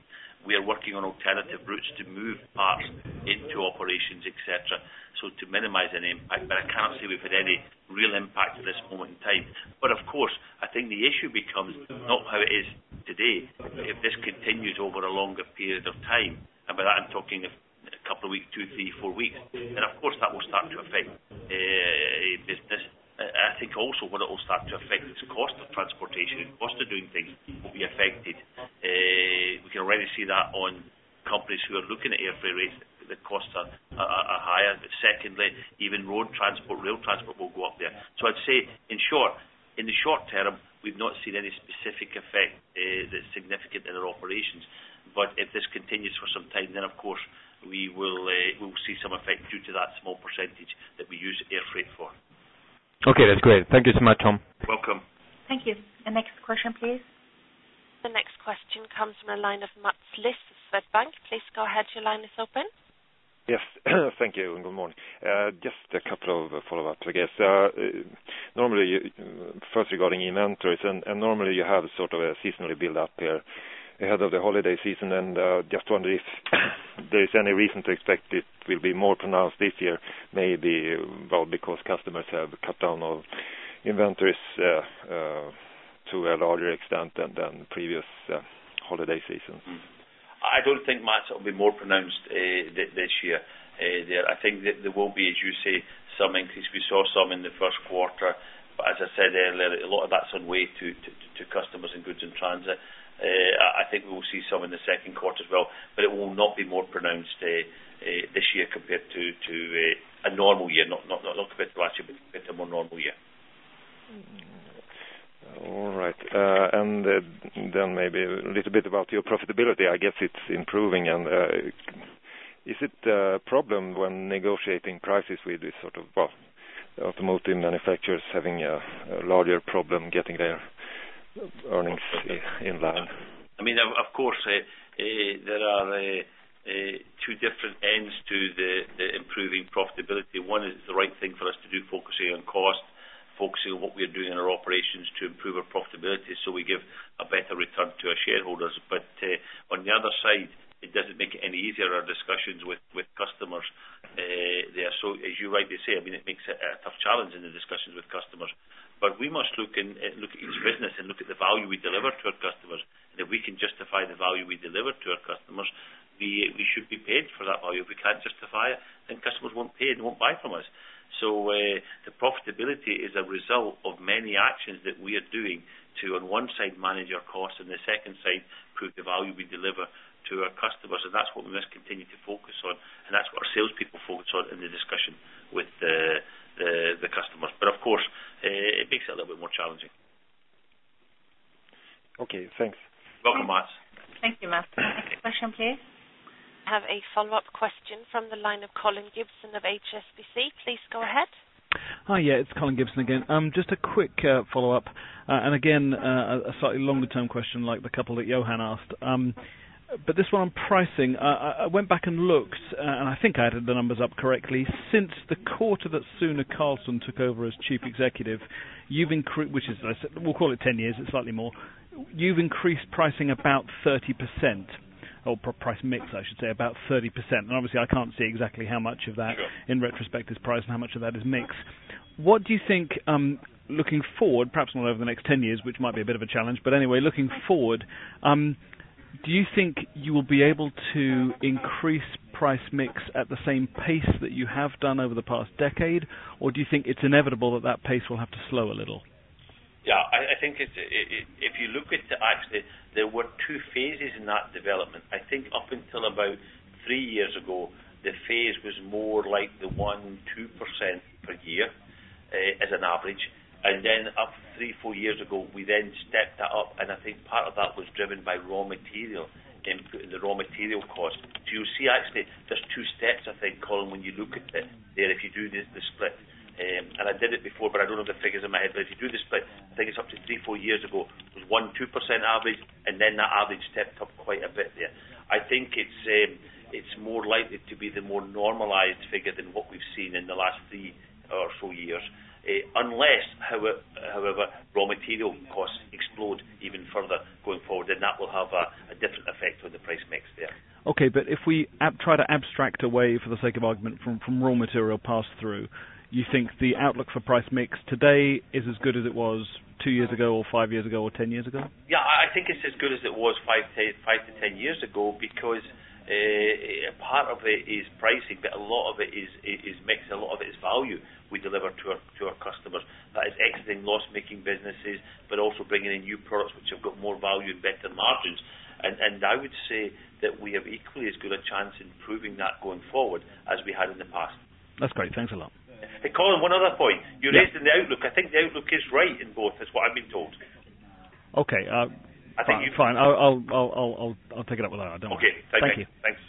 We are working on alternative routes to move parts into operations, et cetera, so to minimize any impact, but I can't say we've had any real impact at this moment in time. But of course, I think the issue becomes not how it is today, if this continues over a longer period of time, and by that I'm talking a couple of weeks, two, three, four weeks, then of course, that will start to affect business. I think also will be affected. We can already see that on companies who are looking at airfreight, the costs are higher. But secondly, even road transport, rail transport will go up there. So I'd say, in short, in the short term, we've not seen any specific effect that's significant in our operations. But if this continues for some time, then, of course, we will, we will see some effect due to that small percentage that we use airfreight for. Okay, that's great. Thank you so much, Tom. Welcome. Thank you. The next question, please. The next question comes from the line of Mats Liss, Swedbank. Please go ahead. Your line is open. Yes. Thank you, and good morning. Just a couple of follow-ups, I guess. Normally, first regarding inventories, and normally you have sort of a seasonally build up here ahead of the holiday season, and just wondering if there is any reason to expect it will be more pronounced this year, maybe, well, because customers have cut down on inventories to a larger extent than than previous holiday seasons? I don't think, Mats, it will be more pronounced this year. Yeah, I think that there will be, as you say, some increase. We saw some in the first quarter, but as I said earlier, a lot of that's on the way to customers and goods in transit. I think we will see some in the second quarter as well, but it will not be more pronounced this year compared to a normal year. Not compared to last year, but compared to a more normal year. All right, and then maybe a little bit about your profitability. I guess it's improving, and is it a problem when negotiating prices with this sort of, well, automotive manufacturers having a larger problem getting their earnings in line? I mean, of course, there are two different ends to the improving profitability. One is the right thing for us to do, focusing on cost, focusing on what we are doing in our operations to improve our profitability, so we give a better return to our shareholders. But on the other side, it doesn't make it any easier, our discussions with customers there. So as you rightly say, I mean, it makes it a tough challenge in the discussions with customers. But we must look in- Look at each business and look at the value we deliver to our customers, and if we can justify the value we deliver to our customers, we should be paid for that value. If we can't justify it, then customers won't pay and won't buy from us. The profitability is a result of many actions that we are doing to, on one side, manage our costs, and the second side, prove the value we deliver to our customers. And that's what we must continue to focus on, and that's what our salespeople focus on in the discussion with the customers. But of course, it makes it a little bit more challenging. Okay, thanks. Welcome, Mats. Thank you, Mats. Next question, please. We have a follow-up question from the line of Colin Gibson of HSBC. Please go ahead. Hi, yeah, it's Colin Gibson again. Just a quick follow-up, and again, a slightly longer term question like the couple that Johan asked. But this one on pricing. I went back and looked, and I think I added the numbers up correctly. Since the quarter that Sune Carlsson took over as Chief Executive, you've increased... Which is, let's say, we'll call it 10 years, it's slightly more. You've increased pricing about 30%, or price mix, I should say, about 30%. And obviously, I can't see exactly how much of that- Sure. In retrospect, is price and how much of that is mix. What do you think, looking forward, perhaps not over the next 10 years, which might be a bit of a challenge, but anyway, looking forward, do you think you will be able to increase price mix at the same pace that you have done over the past decade? Or do you think it's inevitable that that pace will have to slow a little? Yeah, I think it's if you look at the... Actually, there were two phases in that development. I think up until about three years ago, the phase was more like the 1-2% per year as an average. And then up to 3-4 years ago, we then stepped that up, and I think part of that was driven by raw material input and the raw material cost. So you'll see actually there's two steps, I think, Colin, when you look at it, if you do the split. And I did it before, but I don't have the figures in my head. But if you do the split, I think it's up to 3-4 years ago, it was 1-2% average, and then that average stepped up quite a bit there. I think it's, it's more likely to be the more normalized figure than what we've seen in the last three or four years. However, unless raw material costs explode even further going forward, then that will have a different effect on the price mix there. Okay, but if we try to abstract away, for the sake of argument, from raw material pass-through, you think the outlook for price mix today is as good as it was 2 years ago, or 5 years ago, or 10 years ago? Yeah, I think it's as good as it was 5-10 years ago, because part of it is pricing, but a lot of it is, it is mix, a lot of it is value we deliver to our customers. That is exiting loss-making businesses, but also bringing in new products which have got more value and better margins. I would say that we have equally as good a chance in improving that going forward as we had in the past. That's great. Thanks a lot. Hey, Colin, one other point. Yeah. You raised the outlook. I think the outlook is right in both, that's what I've been told. Okay, uh- I think you- Fine. I'll take it up with her. Don't worry. Okay. Thank you. Thank you. Thanks.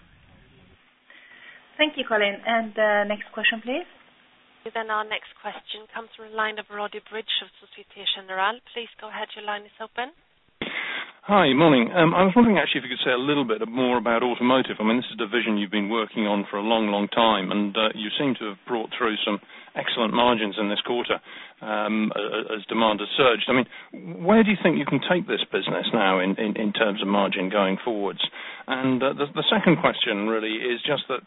Thank you, Colin. And next question, please. Then our next question comes from the line of Roddy Bridge of Société Générale. Please go ahead. Your line is open. Hi, good morning. I was wondering actually if you could say a little bit more about automotive. I mean, this is the vision you've been working on for a long, long time, and you seem to have brought through some excellent margins in this quarter, as demand has surged. I mean, where do you think you can take this business now in terms of margin going forwards? And the second question really is just that,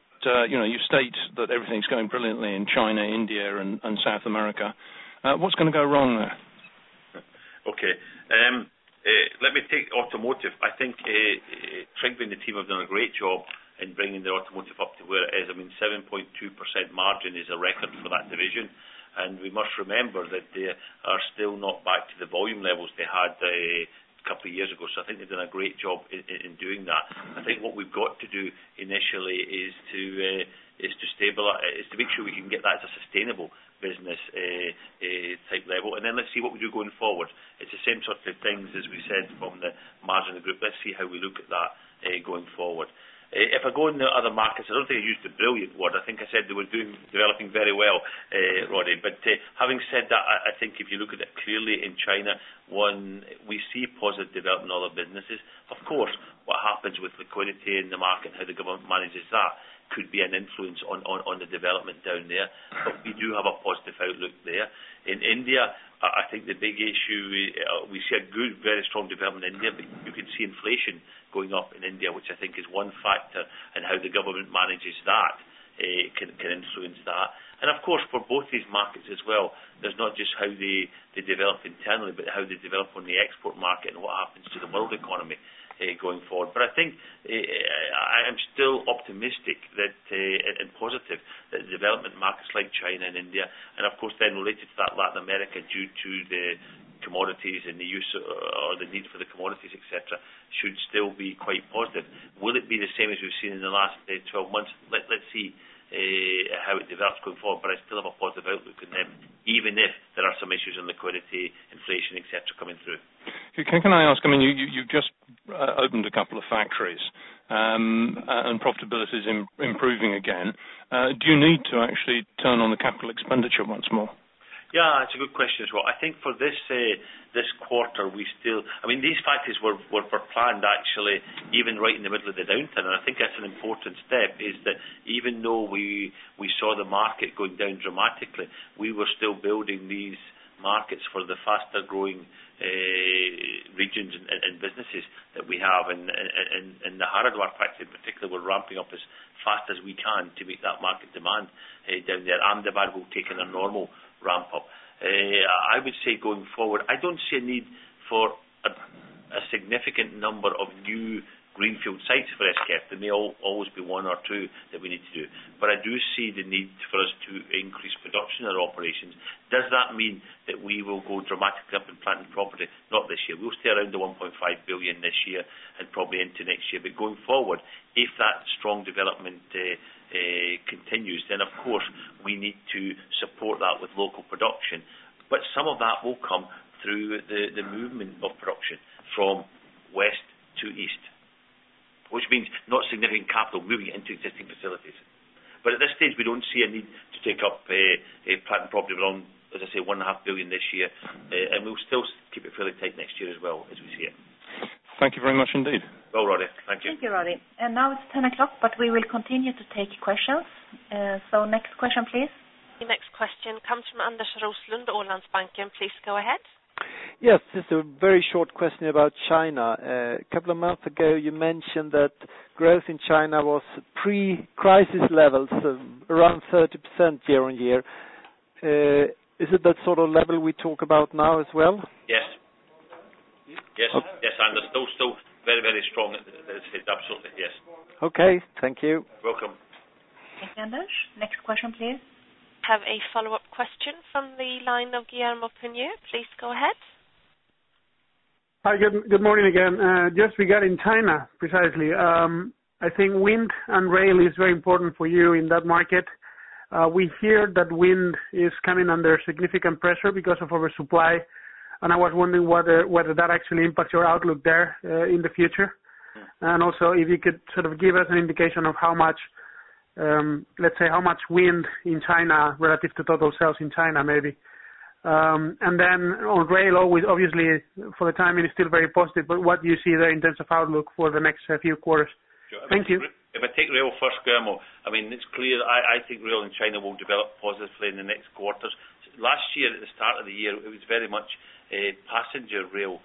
you know, you've stated that everything's going brilliantly in China, India, and South America. What's going to go wrong there? Okay. Let me take automotive. I think Trygve and the team have done a great job in bringing the automotive up to where it is. I mean, 7.2% margin is a record for that division. We must remember that they are still not back to the volume levels they had a couple of years ago. I think they've done a great job in, in doing that. I think what we've got to do initially is to stabilize, is to make sure we can get that to sustainable business type level, and then let's see what we do going forward. It's the same sort of things as we said from the margin group. Let's see how we look at that going forward. If I go in the other markets, I don't think I used the brilliant word. I think I said they were developing very well, Roddy. But having said that, I think if you look at it clearly in China, one, we see positive development in other businesses. Of course, what happens with liquidity in the market, how the government manages that, could be an influence on the development down there. But we do have a positive outlook there. In India, I think the big issue, we see a good, very strong development in India, but you can see inflation going up in India, which I think is one factor, and how the government manages that can influence that. And of course, for both these markets as well, there's not just how they develop internally, but how they develop on the export market and what happens to the world economy, going forward. But I think, I'm still optimistic that, and positive, that the developing markets like China and India, and of course, then related to that, Latin America, due to the commodities and the use or the need for the commodities, et cetera, should still be quite positive. Will it be the same as we've seen in the last 12 months? Let's see, how it develops going forward, but I still have a positive outlook on them, even if there are some issues on liquidity, inflation, et cetera, coming through. Can I ask, I mean, you just opened a couple of factories, and profitability is improving again. Do you need to actually turn on the capital expenditure once more? Yeah, it's a good question as well. I think for this, this quarter, we still... I mean, these factories were planned, actually, even right in the middle of the downturn. And I think that's an important step, is that even though we saw the market going down dramatically, we were still building these markets for the faster-growing, regions and the Haridwar factory, in particular, we're ramping up as fast as we can to meet that market demand, down there. Ahmedabad will take in a normal ramp up. I would say going forward, I don't see a need for a significant number of new greenfield sites for SKF. There may always be one or two that we need to do, but I do see the need for us to increase production in our operations. Does that mean that we will go dramatically up in plant and property? Not this year. We'll stay around 1.5 billion this year, and probably into next year. But going forward, if that strong development continues, then, of course, we need to support that with local production. But some of that will come through the, the movement of production from west to east, which means not significant capital, moving it into existing facilities. But at this stage, we don't see a need to take up a, a plant and property beyond, as I say, 1.5 billion this year, and we'll still keep it fairly tight next year as well, as we see it. Thank you very much indeed. Well, Roddy, thank you. Thank you, Roddy. Now it's 10:00, but we will continue to take questions. Next question, please. The next question comes from Anders Roslund, Öhman. Please go ahead. Yes, just a very short question about China. A couple of months ago, you mentioned that growth in China was pre-crisis levels, around 30% year-on-year. Is it that sort of level we talk about now as well? Yes. Yes. Yes, Anders, still, still very, very strong. Absolutely, yes. Okay, thank you. Welcome. Thanks, Anders. Next question, please. Have a follow-up question from the line of Guillermo Peigneux. Please go ahead. Hi, good, good morning again. Just regarding China, precisely. I think wind and rail is very important for you in that market. We hear that wind is coming under significant pressure because of oversupply, and I was wondering whether, whether that actually impacts your outlook there, in the future. And also, if you could sort of give us an indication of how much, let's say, how much wind in China relative to total sales in China, maybe. And then on rail, always, obviously, for the time, it is still very positive, but what do you see there in terms of outlook for the next few quarters? Thank you. If I take rail first, Guillermo, I mean, it's clear, I, I think rail in China will develop positively in the next quarters. Last year, at the start of the year, it was very much a passenger rail,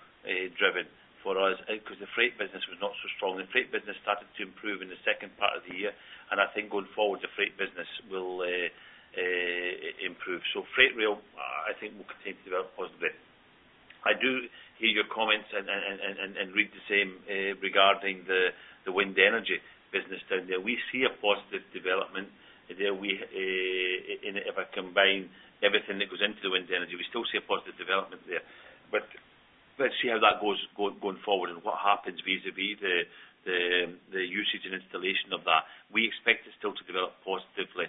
driven for us, 'cause the freight business was not so strong. The freight business started to improve in the second part of the year, and I think going forward, the freight business will improve. So freight rail, I think will continue to develop positively. I do hear your comments and read the same, regarding the wind energy business down there. We see a positive development. There we, and if I combine everything that goes into the wind energy, we still see a positive development there. Let's see how that goes going forward and what happens vis-à-vis the usage and installation of that. We expect it still to develop positively,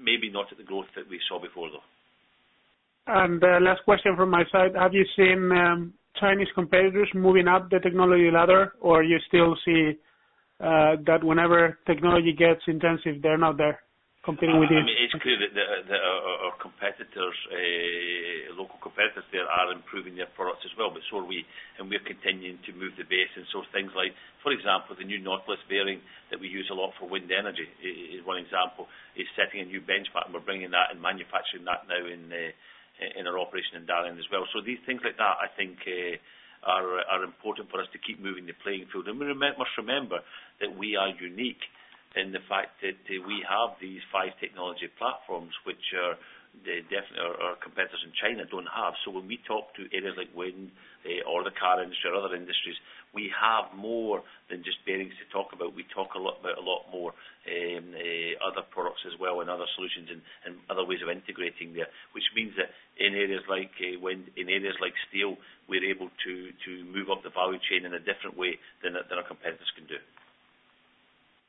maybe not at the growth that we saw before, though. Last question from my side. Have you seen Chinese competitors moving up the technology ladder, or you still see that whenever technology gets intensive, they're not there competing with you? I mean, it's clear that our competitors, local competitors there are improving their products as well, but so are we, and we're continuing to move the base. So things like, for example, the new Nautilus bearing that we use a lot for wind energy is one example, is setting a new benchmark, and we're bringing that and manufacturing that now in our operation in Dalian as well. So these things like that, I think, are important for us to keep moving the playing field. We must remember that we are unique in the fact that we have these five technology platforms, which definitely are competitive advantages. So when we talk to areas like wind, or the car industry or other industries, we have more than just bearings to talk about. We talk a lot about a lot more, other products as well, and other solutions and, and other ways of integrating there. Which means that in areas like, wind, in areas like steel, we're able to, to move up the value chain in a different way than our, than our competitors can do.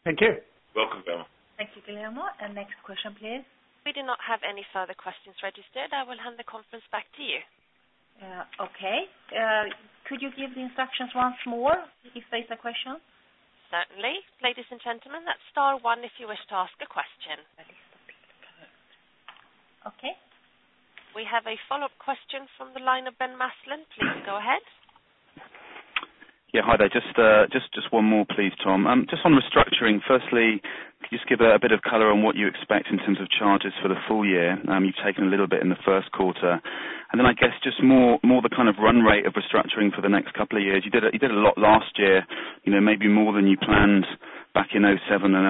Thank you. Welcome, Guillermo. Thank you, Guillermo. Next question, please. We do not have any further questions registered. I will hand the conference back to you. Okay. Could you give the instructions once more, if there's a question? Certainly. Ladies and gentlemen, that's star one if you wish to ask a question. Okay. We have a follow-up question from the line of Ben Maslen. Please go ahead. Yeah, hi there. Just, just one more please, Tom. Just on restructuring. Firstly, could you just give a bit of color on what you expect in terms of charges for the full year? You've taken a little bit in the first quarter. And then I guess just more the kind of run rate of restructuring for the next couple of years. You did a lot last year, you know, maybe more than you planned back in 2007 and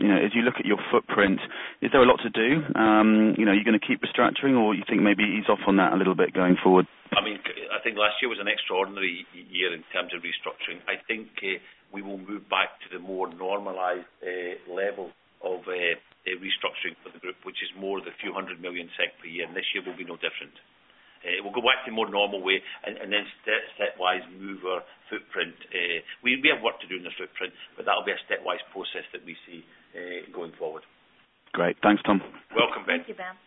2008. You know, as you look at your footprint, is there a lot to do? You know, are you gonna keep restructuring or you think maybe ease off on that a little bit going forward? I mean, I think last year was an extraordinary year in terms of restructuring. I think, we will move back to the more normalized, level of, restructuring for the group, which is more the few hundred million SEK per year, and this year will be no different. We'll go back to a more normal way and then stepwise move our footprint. We have work to do in the footprint, but that'll be a stepwise process that we see, going forward. Great. Thanks, Tom. Welcome, Ben. Thank you, Ben.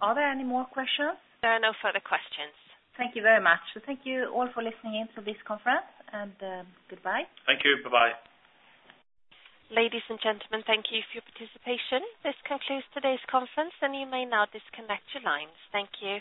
Are there any more questions? There are no further questions. Thank you very much. Thank you all for listening in to this conference, and goodbye. Thank you. Bye-bye. Ladies and gentlemen, thank you for your participation. This concludes today's conference, and you may now disconnect your lines. Thank you.